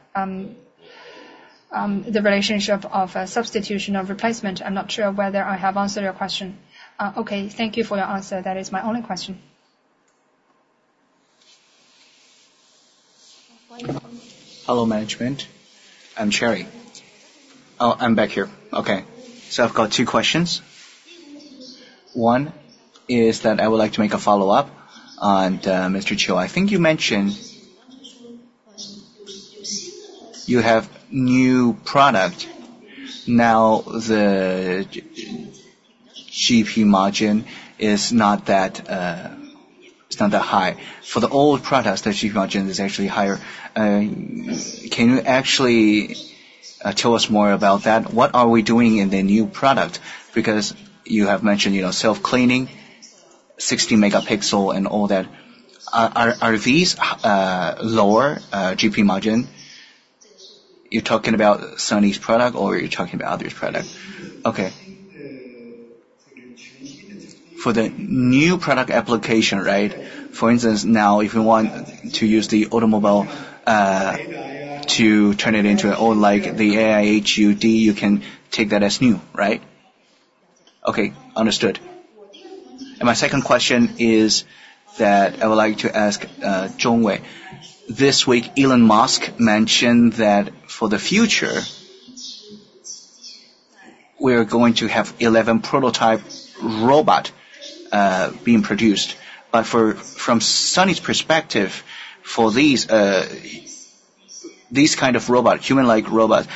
J: relationship of substitution or replacement. I'm not sure whether I have answered your question.
N: Okay. Thank you for your answer. That is my only question.
O: Hello, management. I'm Cherry. Oh, I'm back here. Okay. So I've got two questions. One is that I would like to make a follow-up on Mr. Qiu. I think you mentioned you have a new product. Now, the GP margin is not that high. For the old products, the GP margin is actually higher. Can you actually tell us more about that? What are we doing in the new product? Because you have mentioned self-cleaning, 16-megapixel, and all that. Are these lower GP margin? You're talking about Sunny's product, or are you talking about other's product?
D: Okay. For the new product application, right? For instance, now if you want to use the automobile to turn it into an old, like the AI HUD, you can take that as new, right?
O: Okay. Understood. My second question is that I would like to ask Qiu Wenwei. This week, Elon Musk mentioned that for the future, we are going to have 11 prototype robots being produced. But from Sunny's perspective, for these kinds of robots, human-like robots,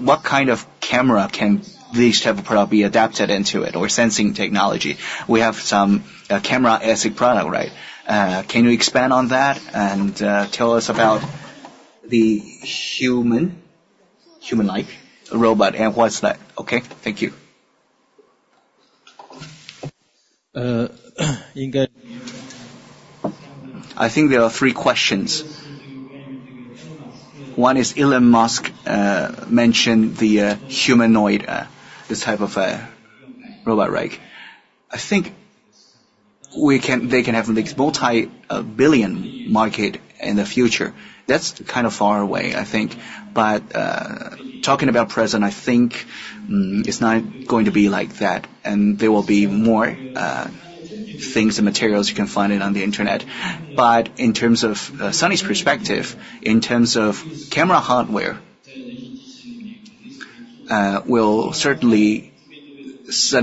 O: what kind of camera can these types of products be adapted into it or sensing technology? We have some camera optic product, right? Can you expand on that and tell us about the human-like robot and what's that?
D: Okay. Thank you. I think there are three questions. One is Elon Musk mentioned the humanoid, this type of robot, right? I think they can have this multi-billion market in the future. That's kind of far away, I think. But talking about present, I think it's not going to be like that. And there will be more things and materials you can find on the internet. But in terms of Sunny's perspective, in terms of camera hardware, Sunny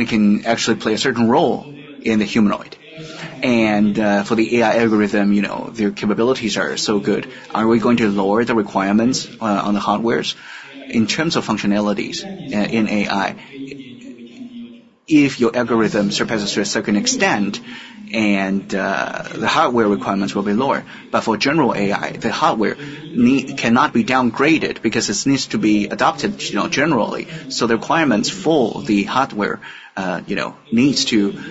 D: can actually play a certain role in the humanoid. For the AI algorithm, their capabilities are so good. Are we going to lower the requirements on the hardware? In terms of functionalities in AI, if your algorithm surpasses to a certain extent, the hardware requirements will be lower. But for general AI, the hardware cannot be downgraded because it needs to be adopted generally. So the requirements for the hardware need to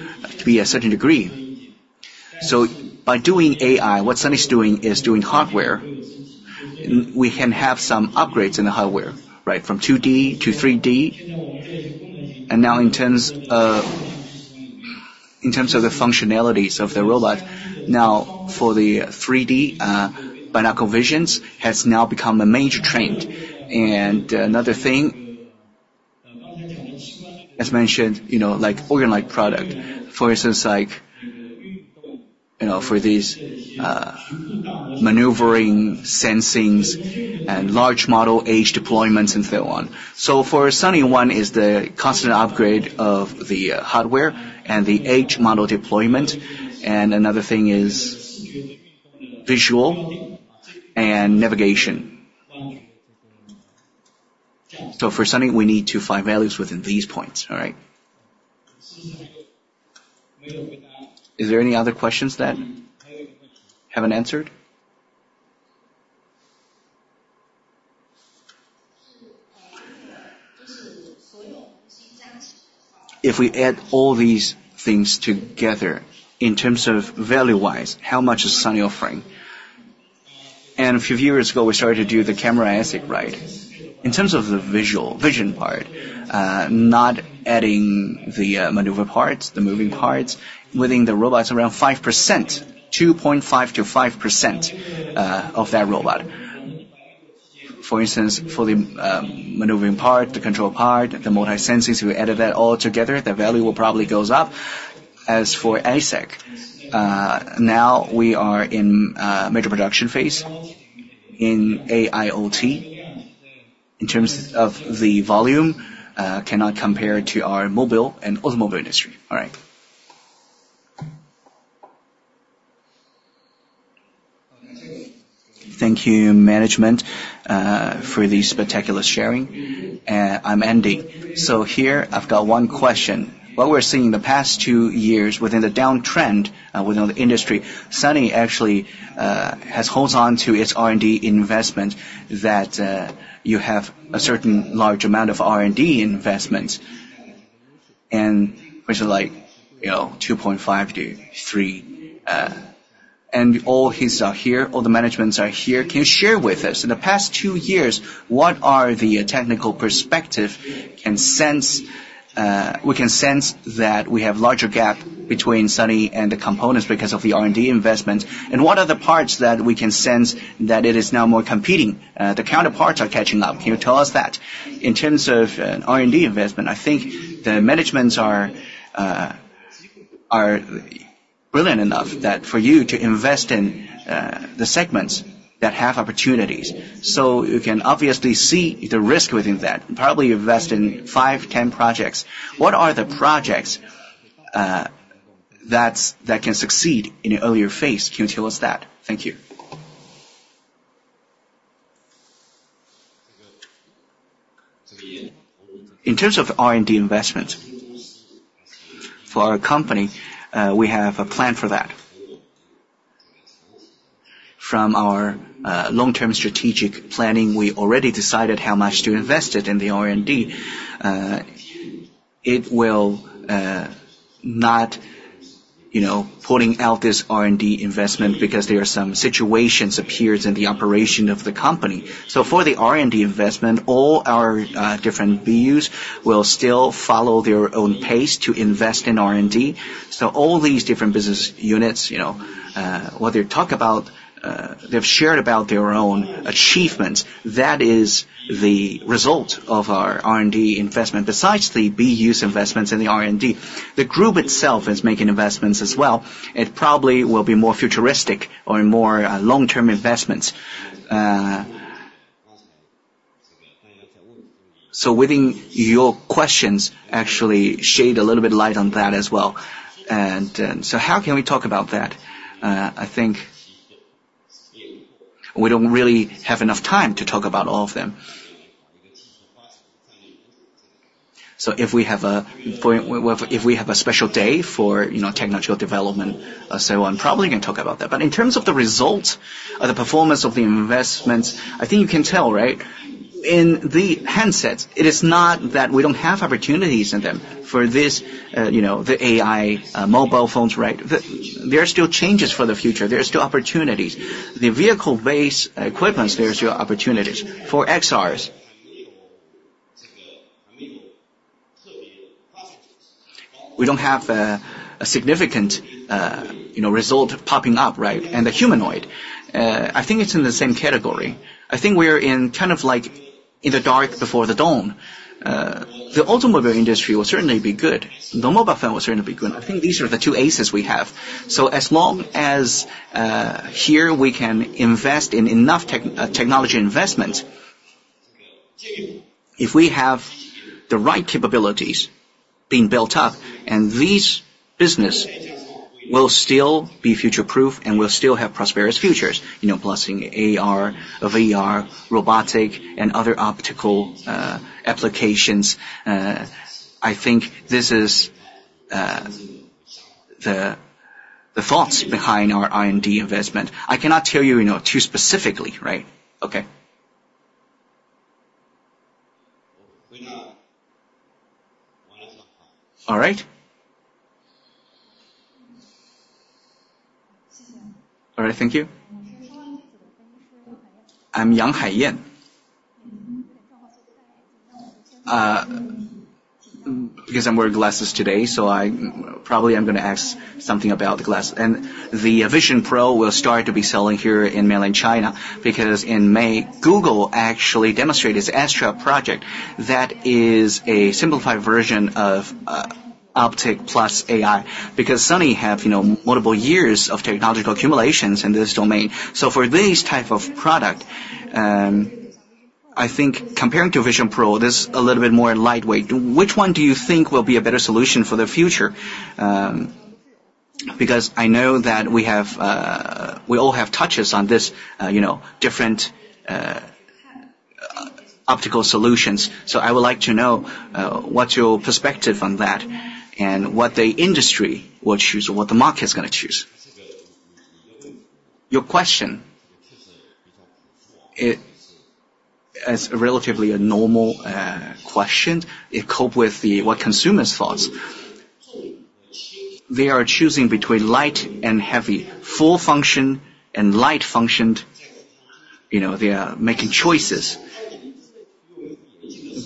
D: be a certain degree. So by doing AI, what Sunny's doing is doing hardware. We can have some upgrades in the hardware, right, from 2D to 3D. Now in terms of the functionalities of the robot, now for the 3D binocular visions has now become a major trend. Another thing, as mentioned, like AR/VR-like product, for instance, for these maneuvering sensings and large model AI deployments and so on. So for Sunny, one is the constant upgrade of the hardware and the AI model deployment. Another thing is vision and navigation. So for Sunny, we need to find values within these points, all right? Is there any other questions that haven't answered? If we add all these things together, in terms of value-wise, how much is Sunny offering? And a few years ago, we started to do the camera optics, right? In terms of the visual vision part, not adding the maneuver parts, the moving parts, within the robots, around 5%, 2.5%-5% of that robot. For instance, for the maneuvering part, the control part, the multi-sensings, if we added that all together, the value will probably go up. As for ASIC, now we are in a major production phase in AIOT. In terms of the volume, cannot compare to our mobile and automobile industry, all right?
O: Thank you, management, for the spectacular sharing. I'm ending. Here, I've got one question. What we're seeing in the past two years within the downtrend within the industry, Sunny actually holds on to its R&D investment that you have a certain large amount of R&D investments. For instance, like 2.5-3. And all his are here. All the managements are here. Can you share with us, in the past two years, what are the technical perspectives? We can sense that we have a larger gap between Sunny and the components because of the R&D investments. And what are the parts that we can sense that it is now more competing? The counterparts are catching up. Can you tell us that? In terms of R&D investment, I think the managements are brilliant enough for you to invest in the segments that have opportunities. So you can obviously see the risk within that and probably invest in 5-10 projects. What are the projects that can succeed in an earlier phase? Can you tell us that? Thank you.
B: In terms of R&D investment, for our company, we have a plan for that. From our long-term strategic planning, we already decided how much to invest in the R&D. It will not pull out this R&D investment because there are some situations that appear in the operation of the company. So for the R&D investment, all our different BUs will still follow their own pace to invest in R&D. So all these different business units, what they talk about, they've shared about their own achievements. That is the result of our R&D investment. Besides the BUs' investments in the R&D, the group itself is making investments as well. It probably will be more futuristic or more long-term investments. So within your questions, actually, shed a little bit of light on that as well. And so how can we talk about that? I think we don't really have enough time to talk about all of them. So if we have a special day for technological development, so on, probably can talk about that. But in terms of the results or the performance of the investments, I think you can tell, right? In the handsets, it is not that we don't have opportunities in them for this, the AI mobile phones, right? There are still chances for the future. There are still opportunities. The vehicle-based equipments, there are still opportunities. For XRs, we don't have a significant result popping up, right? And the humanoid, I think it's in the same category. I think we're kind of like in the dark before the dawn. The automobile industry will certainly be good. The mobile phone will certainly be good. I think these are the two aces we have. So as long as here we can invest in enough technology investments, if we have the right capabilities being built up, and these businesses will still be future-proof and will still have prosperous futures, blessing AR, VR, robotic, and other optical applications. I think this is the thoughts behind our R&D investment. I cannot tell you too specifically, right?
O: Okay. All right. All right. Thank you.
P: I'm Yang Haiyan. Because I'm wearing glasses today, so probably I'm going to ask something about the glasses. The Vision Pro will start to be selling here in mainland China because in May, Google actually demonstrated its Project Astra that is a simplified version of Optic Plus AI because Sunny has multiple years of technological accumulations in this domain. So for this type of product, I think comparing to Vision Pro, this is a little bit more lightweight. Which one do you think will be a better solution for the future? Because I know that we all have touches on these different optical solutions. So I would like to know what's your perspective on that and what the industry will choose or what the market is going to choose.
F: Your question, it's relatively a normal question. It copes with what consumers thought. They are choosing between light and heavy, full function and light functioned. They are making choices.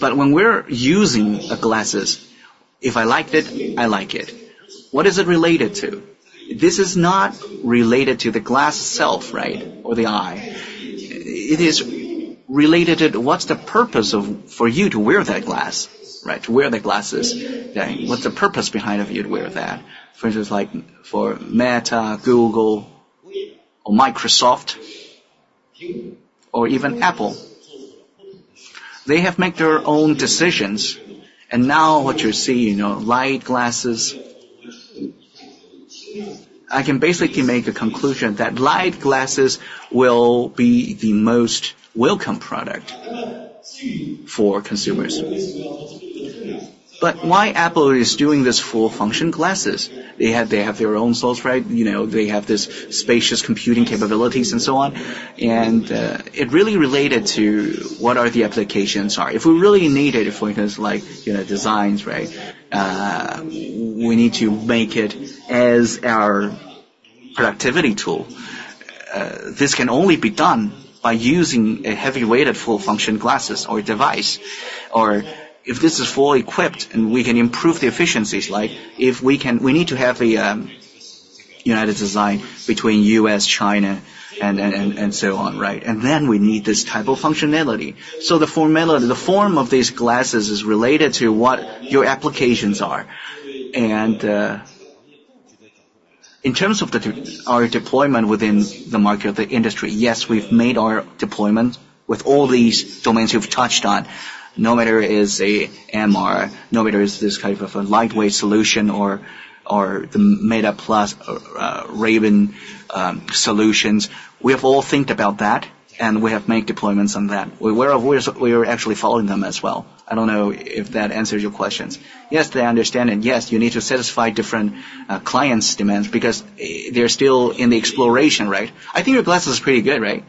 F: But when we're using the glasses, if I like it, I like it. What is it related to? This is not related to the glass itself, right, or the eye. It is related to what's the purpose for you to wear that glass, right, to wear the glasses? What's the purpose behind you to wear that? For instance, for Meta, Google, or Microsoft, or even Apple. They have made their own decisions. And now what you see, light glasses, I can basically make a conclusion that light glasses will be the most welcome product for consumers. But why Apple is doing this full-function glasses? They have their own source, right? They have these spatial computing capabilities and so on. And it really related to what are the applications? If we really need it, for instance, like designs, right, we need to make it as our productivity tool. This can only be done by using a heavy-weighted full-function glasses or device. Or if this is fully equipped and we can improve the efficiencies, like if we need to have a united design between the U.S., China, and so on, right? And then we need this type of functionality. So the form of these glasses is related to what your applications are. And in terms of our deployment within the market, the industry, yes, we've made our deployment with all these domains you've touched on. No matter it is an MR, no matter it is this type of a lightweight solution or the Ray-Ban Meta solutions, we have all think about that and we have made deployments on that. We are actually following them as well. I don't know if that answers your questions. Yes, they understand it. Yes, you need to satisfy different clients' demands because they're still in the exploration, right? I think your glasses are pretty good, right?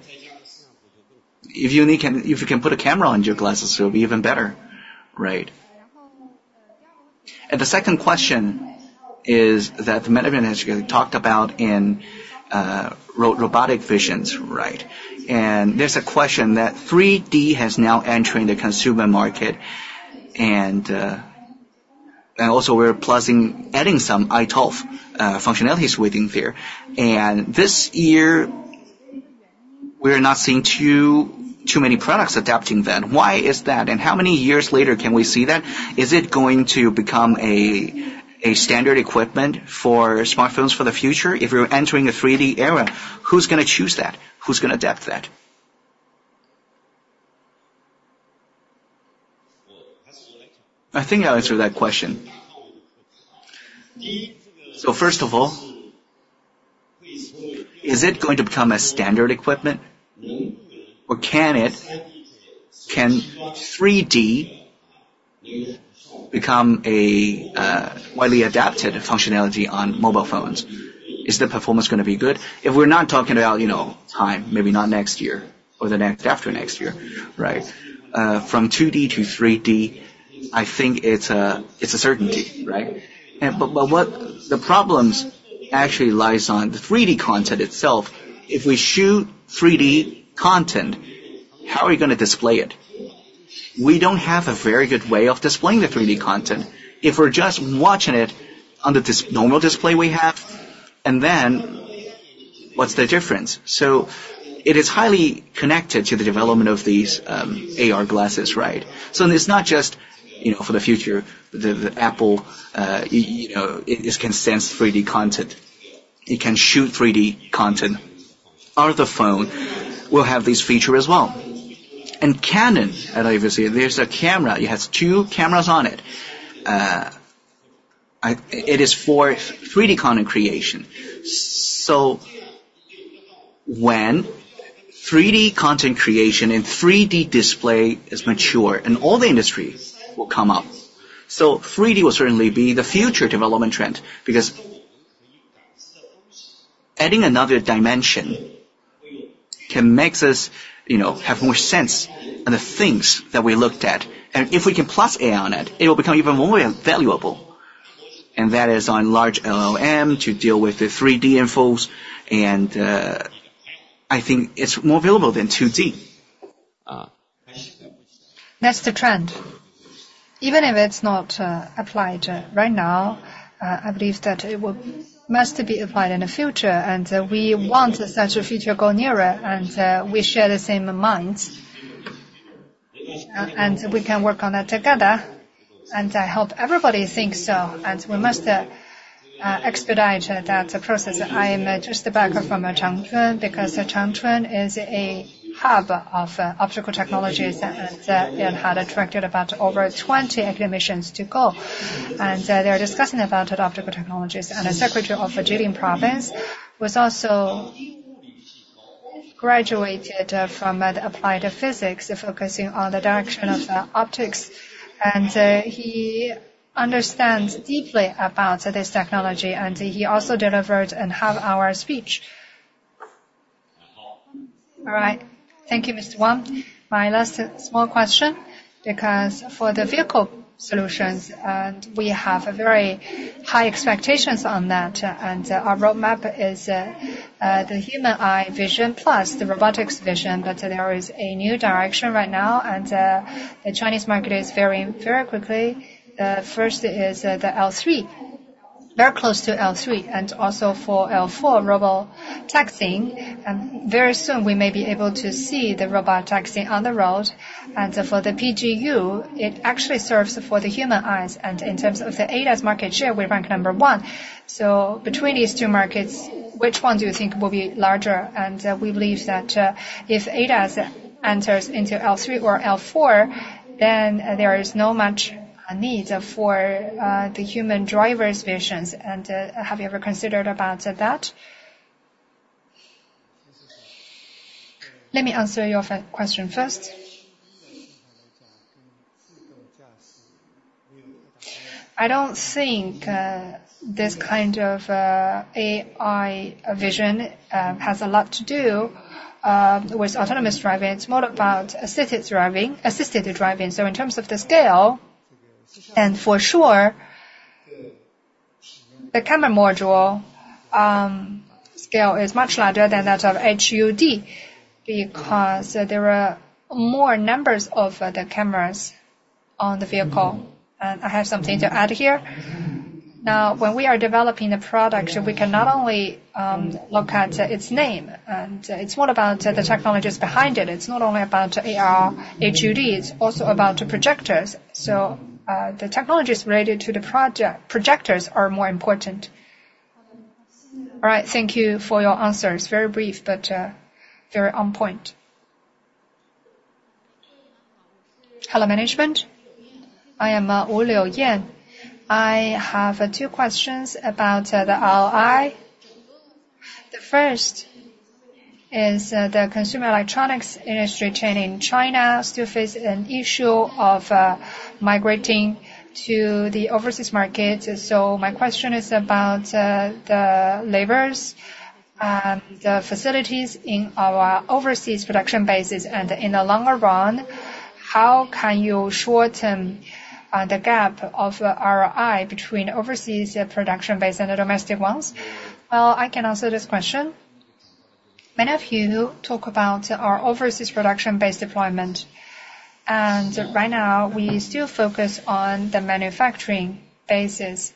F: If you can put a camera on your glasses, it'll be even better, right?
P: And the second question is that the management has talked about in robotic visions, right? And there's a question that 3D has now entered the consumer market. And also, we're adding some iToF functionalities within there. And this year, we're not seeing too many products adapting that. Why is that? And how many years later can we see that? Is it going to become a standard equipment for smartphones for the future? If you're entering a 3D era, who's going to choose that? Who's going to adapt that?
F: I think I'll answer that question. So first of all, is it going to become a standard equipment? Or can 3D become a widely adopted functionality on mobile phones? Is the performance going to be good? If we're not talking about time, maybe not next year or the next after next year, right? From 2D to 3D, I think it's a certainty, right? But the problems actually lie in the 3D content itself. If we shoot 3D content, how are we going to display it? We don't have a very good way of displaying the 3D content if we're just watching it on the normal display we have. And then what's the difference? So it is highly connected to the development of these AR glasses, right? So it's not just for the future that Apple can sense 3D content. It can shoot 3D content. Our phone will have this feature as well. And Canon, as I was saying, there's a camera. It has two cameras on it. It is for 3D content creation. So when 3D content creation and 3D display is mature, and all the industry will come up. So 3D will certainly be the future development trend because adding another dimension can make us have more sense of the things that we looked at. And if we can plus AI on it, it will become even more valuable. And that is on large LLM to deal with the 3D infos. And I think it's more available than 2D. That's the trend. Even if it's not applied right now, I believe that it must be applied in the future. And we want such a future goal nearer, and we share the same minds. And we can work on that together and help everybody think so. And we must expedite that process. I'm just back from Changchun because Changchun is a hub of optical technologies and had attracted about over 20 academicians to go. They're discussing about optical technologies. A secretary of Jilin Province was also graduated from the applied physics, focusing on the direction of optics. He understands deeply about this technology. He also delivered a half-hour speech.
P: All right. Thank you, Mr. Wang. My last small question because for the vehicle solutions, we have very high expectations on that. Our roadmap is the human eye vision plus the robotics vision. There is a new direction right now. The Chinese market is very quickly. First is the L3, very close to L3. Also for L4, robotaxi. Very soon, we may be able to see the robotaxi on the road. For the PGU, it actually serves for the human eyes. In terms of the ADAS market share, we rank number one. So between these two markets, which one do you think will be larger? We believe that if ADAS enters into L3 or L4, then there is no much need for the human driver's visions. Have you ever considered about that?
F: Let me answer your question first. I don't think this kind of AI vision has a lot to do with autonomous driving. It's more about assisted driving. So in terms of the scale, and for sure, the camera module scale is much larger than that of HUD because there are more numbers of the cameras on the vehicle. I have something to add here. Now, when we are developing the product, we can not only look at its name. It's more about the technologies behind it. It's not only about AR, HUD. It's also about the projectors. So the technologies related to the projectors are more important.
P: All right. Thank you for your answers. Very brief, but very on point.
Q: Hello management. I am Wu Liuyan. I have two questions about the ROI. The first is the consumer electronics industry chain in China still faces an issue of migrating to the overseas market. So my question is about the levers and the facilities in our overseas production bases. And in the longer run, how can you shorten the gap of ROI between overseas production base and the domestic ones?
J: Well, I can answer this question. Many of you talk about our overseas production base deployment. And right now, we still focus on the manufacturing basis.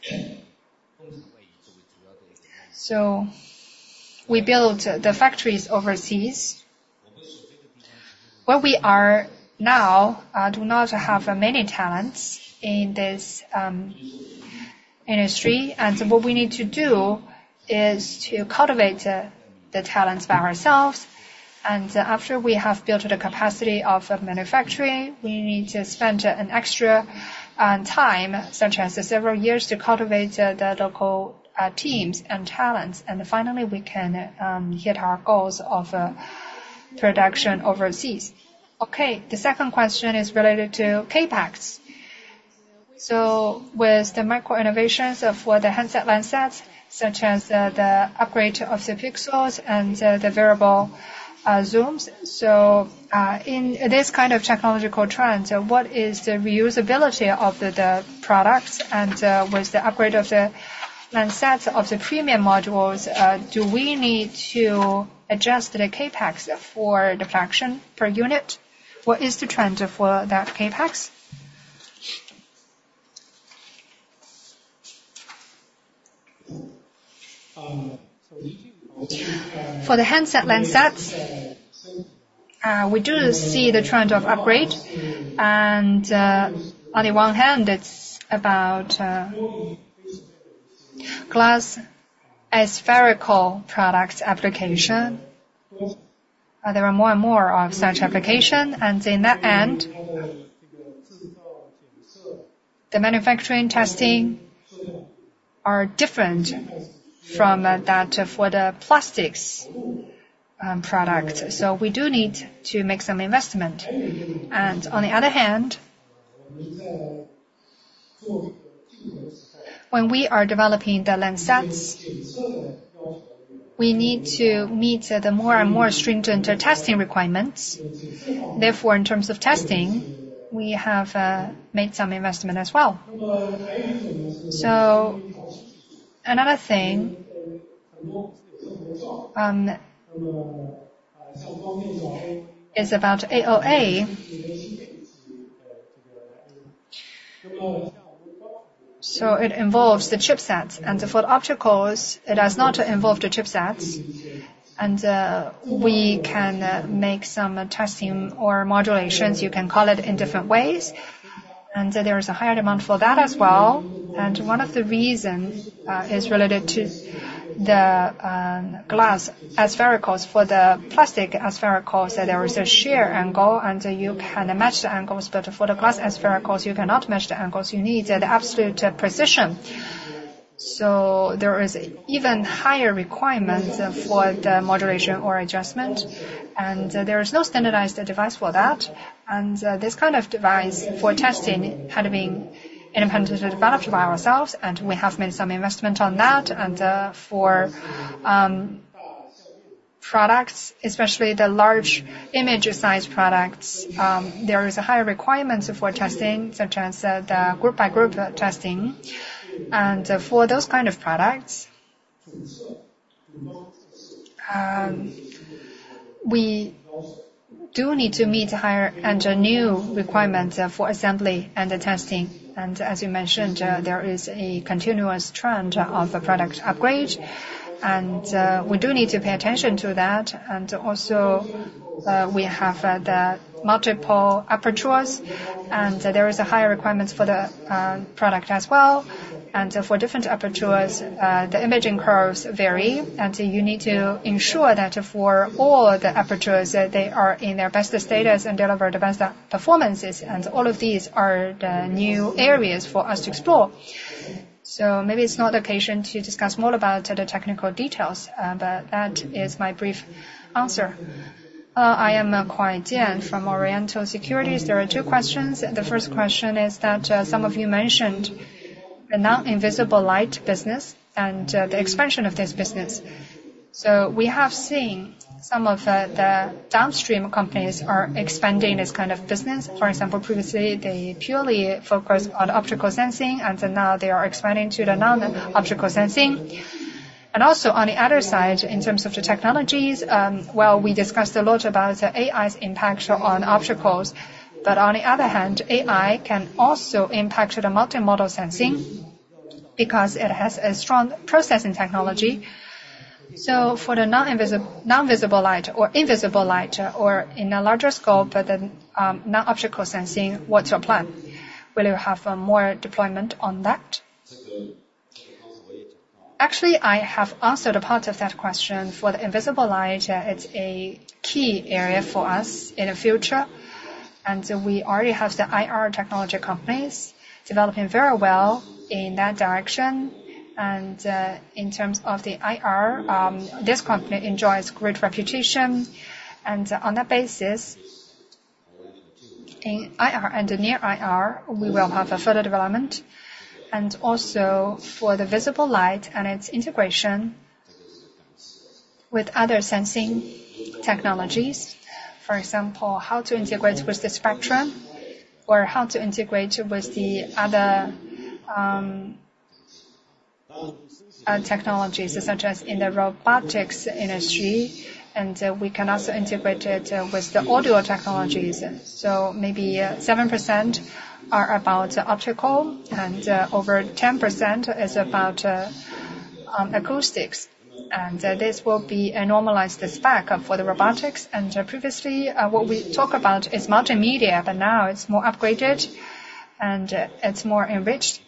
J: So we built the factories overseas. Where we are now, do not have many talents in this industry. What we need to do is to cultivate the talents by ourselves. After we have built the capacity of manufacturing, we need to spend extra time, such as several years, to cultivate the local teams and talents. Finally, we can hit our goals of production overseas. Okay. The second question is related to CaPex. So with the micro innovations of the handset lens sets, such as the upgrade of the pixels and the variable zooms. So in this kind of technological trend, what is the reusability of the products? With the upgrade of the lens sets of the company premium modules, do we need to adjust the CaPex for the fraction per unit? What is the trend for that CaPex? For the handset lens sets, we do see the trend of upgrade. On the one hand, it's about glass aspherical product application. There are more and more of such applications. And in that end, the manufacturing testing is different from that for the plastic products. So we do need to make some investment. And on the other hand, when we are developing the lens sets, we need to meet the more and more stringent testing requirements. Therefore, in terms of testing, we have made some investment as well. So another thing is about AOA. So it involves the chipsets. And for opticals, it does not involve the chipsets. And we can make some testing or modulations. You can call it in different ways. And there is a higher demand for that as well. And one of the reasons is related to the glass asphericals. For the plastic asphericals, there is a shear angle, and you can match the angles. But for the glass asphericals, you cannot match the angles. You need the absolute precision. So there is an even higher requirement for the modulation or adjustment. There is no standardized device for that. This kind of device for testing had been independently developed by ourselves. We have made some investment on that. For products, especially the large image size products, there is a higher requirement for testing, such as the group-by-group testing. For those kind of products, we do need to meet higher and new requirements for assembly and testing. As you mentioned, there is a continuous trend of product upgrade. We do need to pay attention to that. Also, we have multiple apertures. There is a higher requirement for the product as well. For different apertures, the imaging curves vary. You need to ensure that for all the apertures, they are in their best status and deliver the best performances. All of these are the new areas for us to explore. So maybe it's not the occasion to discuss more about the technical details. But that is my brief answer.
R: I am Kuai Jian from Orient Securities. There are two questions. The first question is that some of you mentioned the non-visible light business and the expansion of this business. So we have seen some of the downstream companies are expanding this kind of business. For example, previously, they purely focused on optical sensing. And now they are expanding to the non-optical sensing. And also, on the other side, in terms of the technologies, well, we discussed a lot about AI's impact on opticals. But on the other hand, AI can also impact the multimodal sensing because it has a strong processing technology. So for the non-visible light or invisible light or in a larger scope, the non-optical sensing, what's your plan? Will you have more deployment on that?
F: Actually, I have answered a part of that question. For the invisible light, it's a key area for us in the future. And we already have the IR technology companies developing very well in that direction. And in terms of the IR, this company enjoys great reputation. And on that basis, in IR and near IR, we will have further development. And also for the visible light and its integration with other sensing technologies, for example, how to integrate with the spectrum or how to integrate with the other technologies, such as in the robotics industry. We can also integrate it with the audio technologies. So maybe 7% are about optical, and over 10% is about acoustics. This will be a normalized spec for the robotics. Previously, what we talked about is multimedia, but now it's more upgraded and it's more enriched.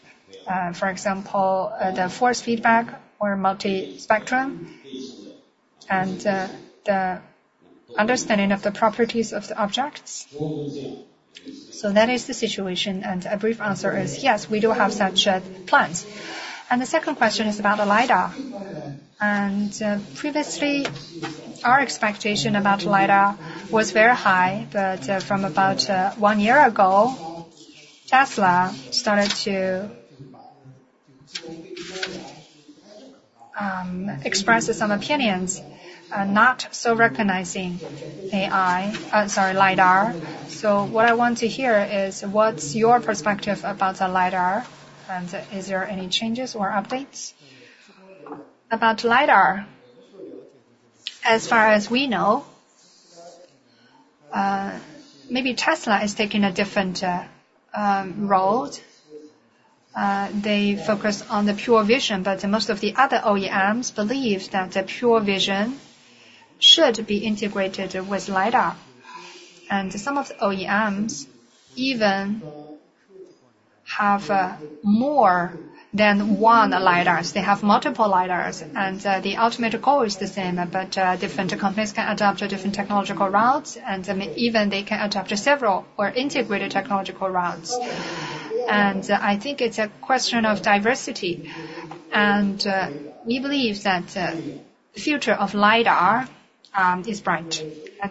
F: For example, the force feedback or multi-spectrum and the understanding of the properties of the objects. So that is the situation. A brief answer is yes, we do have such plans. The second question is about LiDAR. Previously, our expectation about LiDAR was very high. But from about one year ago, Tesla started to express some opinions, not so recognizing LiDAR.
R: So what I want to hear is what's your perspective about LiDAR? Is there any changes or updates?
F: About LiDAR, as far as we know, maybe Tesla is taking a different role. They focus on the pure vision. But most of the other OEMs believe that the pure vision should be integrated with LiDAR. Some of the OEMs even have more than one LiDAR. They have multiple LiDARs. The ultimate goal is the same. But different companies can adopt different technological routes. Even they can adopt several or integrate technological routes. I think it's a question of diversity. We believe that the future of LiDAR is bright.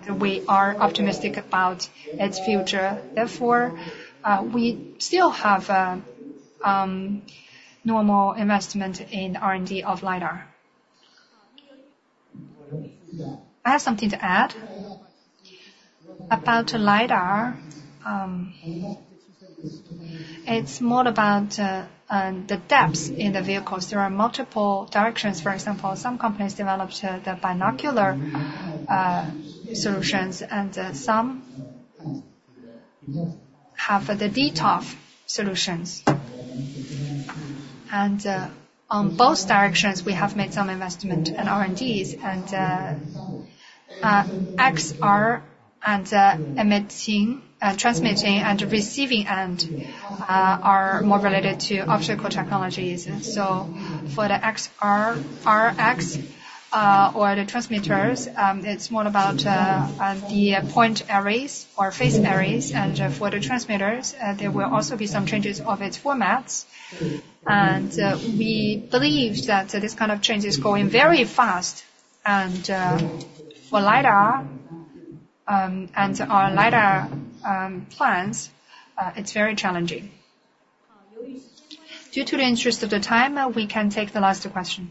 F: We are optimistic about its future. Therefore, we still have normal investment in R&D of LiDAR. I have something to add about LiDAR. It's more about the depth in the vehicles. There are multiple directions. For example, some companies developed the binocular solutions, and some have the dToF solutions. On both directions, we have made some investment in R&Ds. XR and emitting, transmitting, and receiving end are more related to optical technologies. So for the XR or the transmitters, it's more about the point arrays or phase arrays. And for the transmitters, there will also be some changes of its formats. And we believe that this kind of change is going very fast. And for LiDAR and our LiDAR plans, it's very challenging.
A: Due to time constraints, we can take the last question.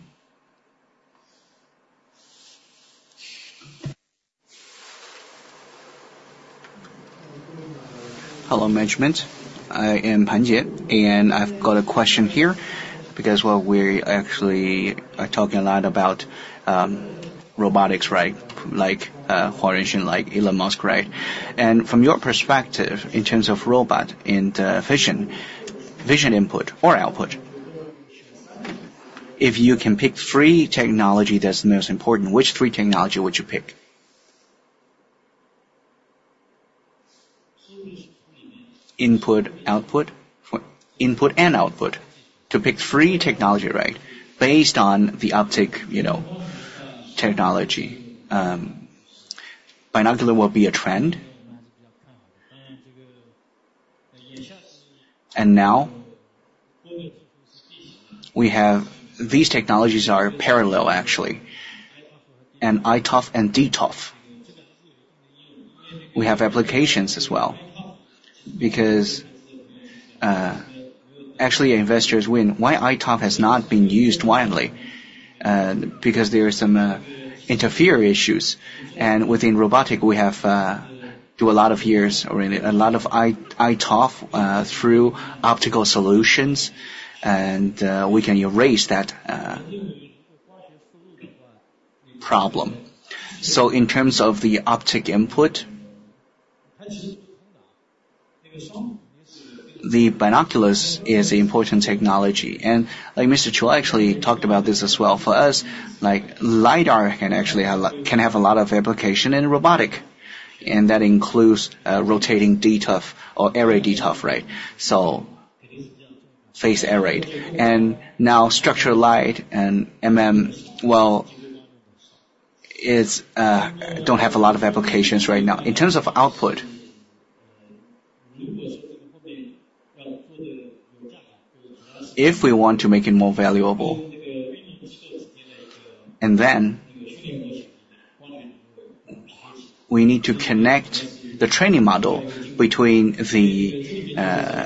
S: Hello, management. I am Pan Jian, and I've got a question here because we're actually talking a lot about robotics, right? Like humanoid, like Elon Musk, right? And from your perspective, in terms of robot and vision, vision input or output, if you can pick three technologies that's the most important, which three technologies would you pick?
F: Input, output. Input and output. To pick three technologies, right, based on the optical technology, binocular will be a trend. Now, we have these technologies are parallel, actually. And iToF and dToF. We have applications as well because actually investors win. Why iToF has not been used widely? Because there are some interference issues. And within robotics, we have a lot of years or a lot of iToF through optical solutions. And we can erase that problem. So in terms of the optical input, the binoculars is an important technology. And like Mr. Chua actually talked about this as well. For us, LiDAR can have a lot of application in robotics. And that includes rotating dToF or array dToF, right? So phased array. And now structured light and, well, don't have a lot of applications right now. In terms of output, if we want to make it more valuable, and then we need to connect the training model between the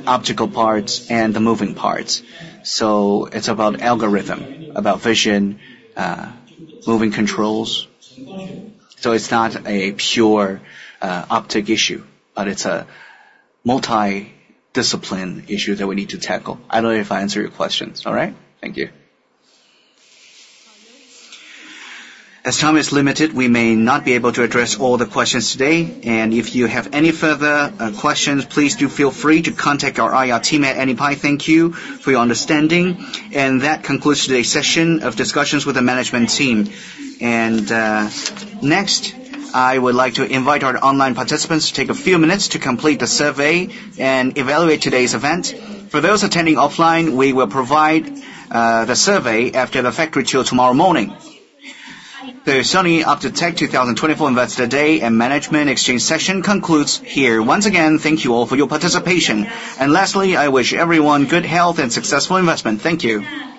F: optical parts and the moving parts. So it's about algorithm, about vision, moving controls. So it's not a pure optic issue, but it's a multidisciplinary issue that we need to tackle. I don't know if I answered your questions. All right?
S: Thank you.
A: As time is limited, we may not be able to address all the questions today. And if you have any further questions, please do feel free to contact our IR team anytime. Thank you for your understanding. And that concludes today's session of discussions with the management team. And next, I would like to invite our online participants to take a few minutes to complete the survey and evaluate today's event. For those attending offline, we will provide the survey after the factory till tomorrow morning. The Sunny Optical Technology 2024 Investor Day and Management Exchange session concludes here. Once again, thank you all for your participation. Lastly, I wish everyone good health and successful investment. Thank you.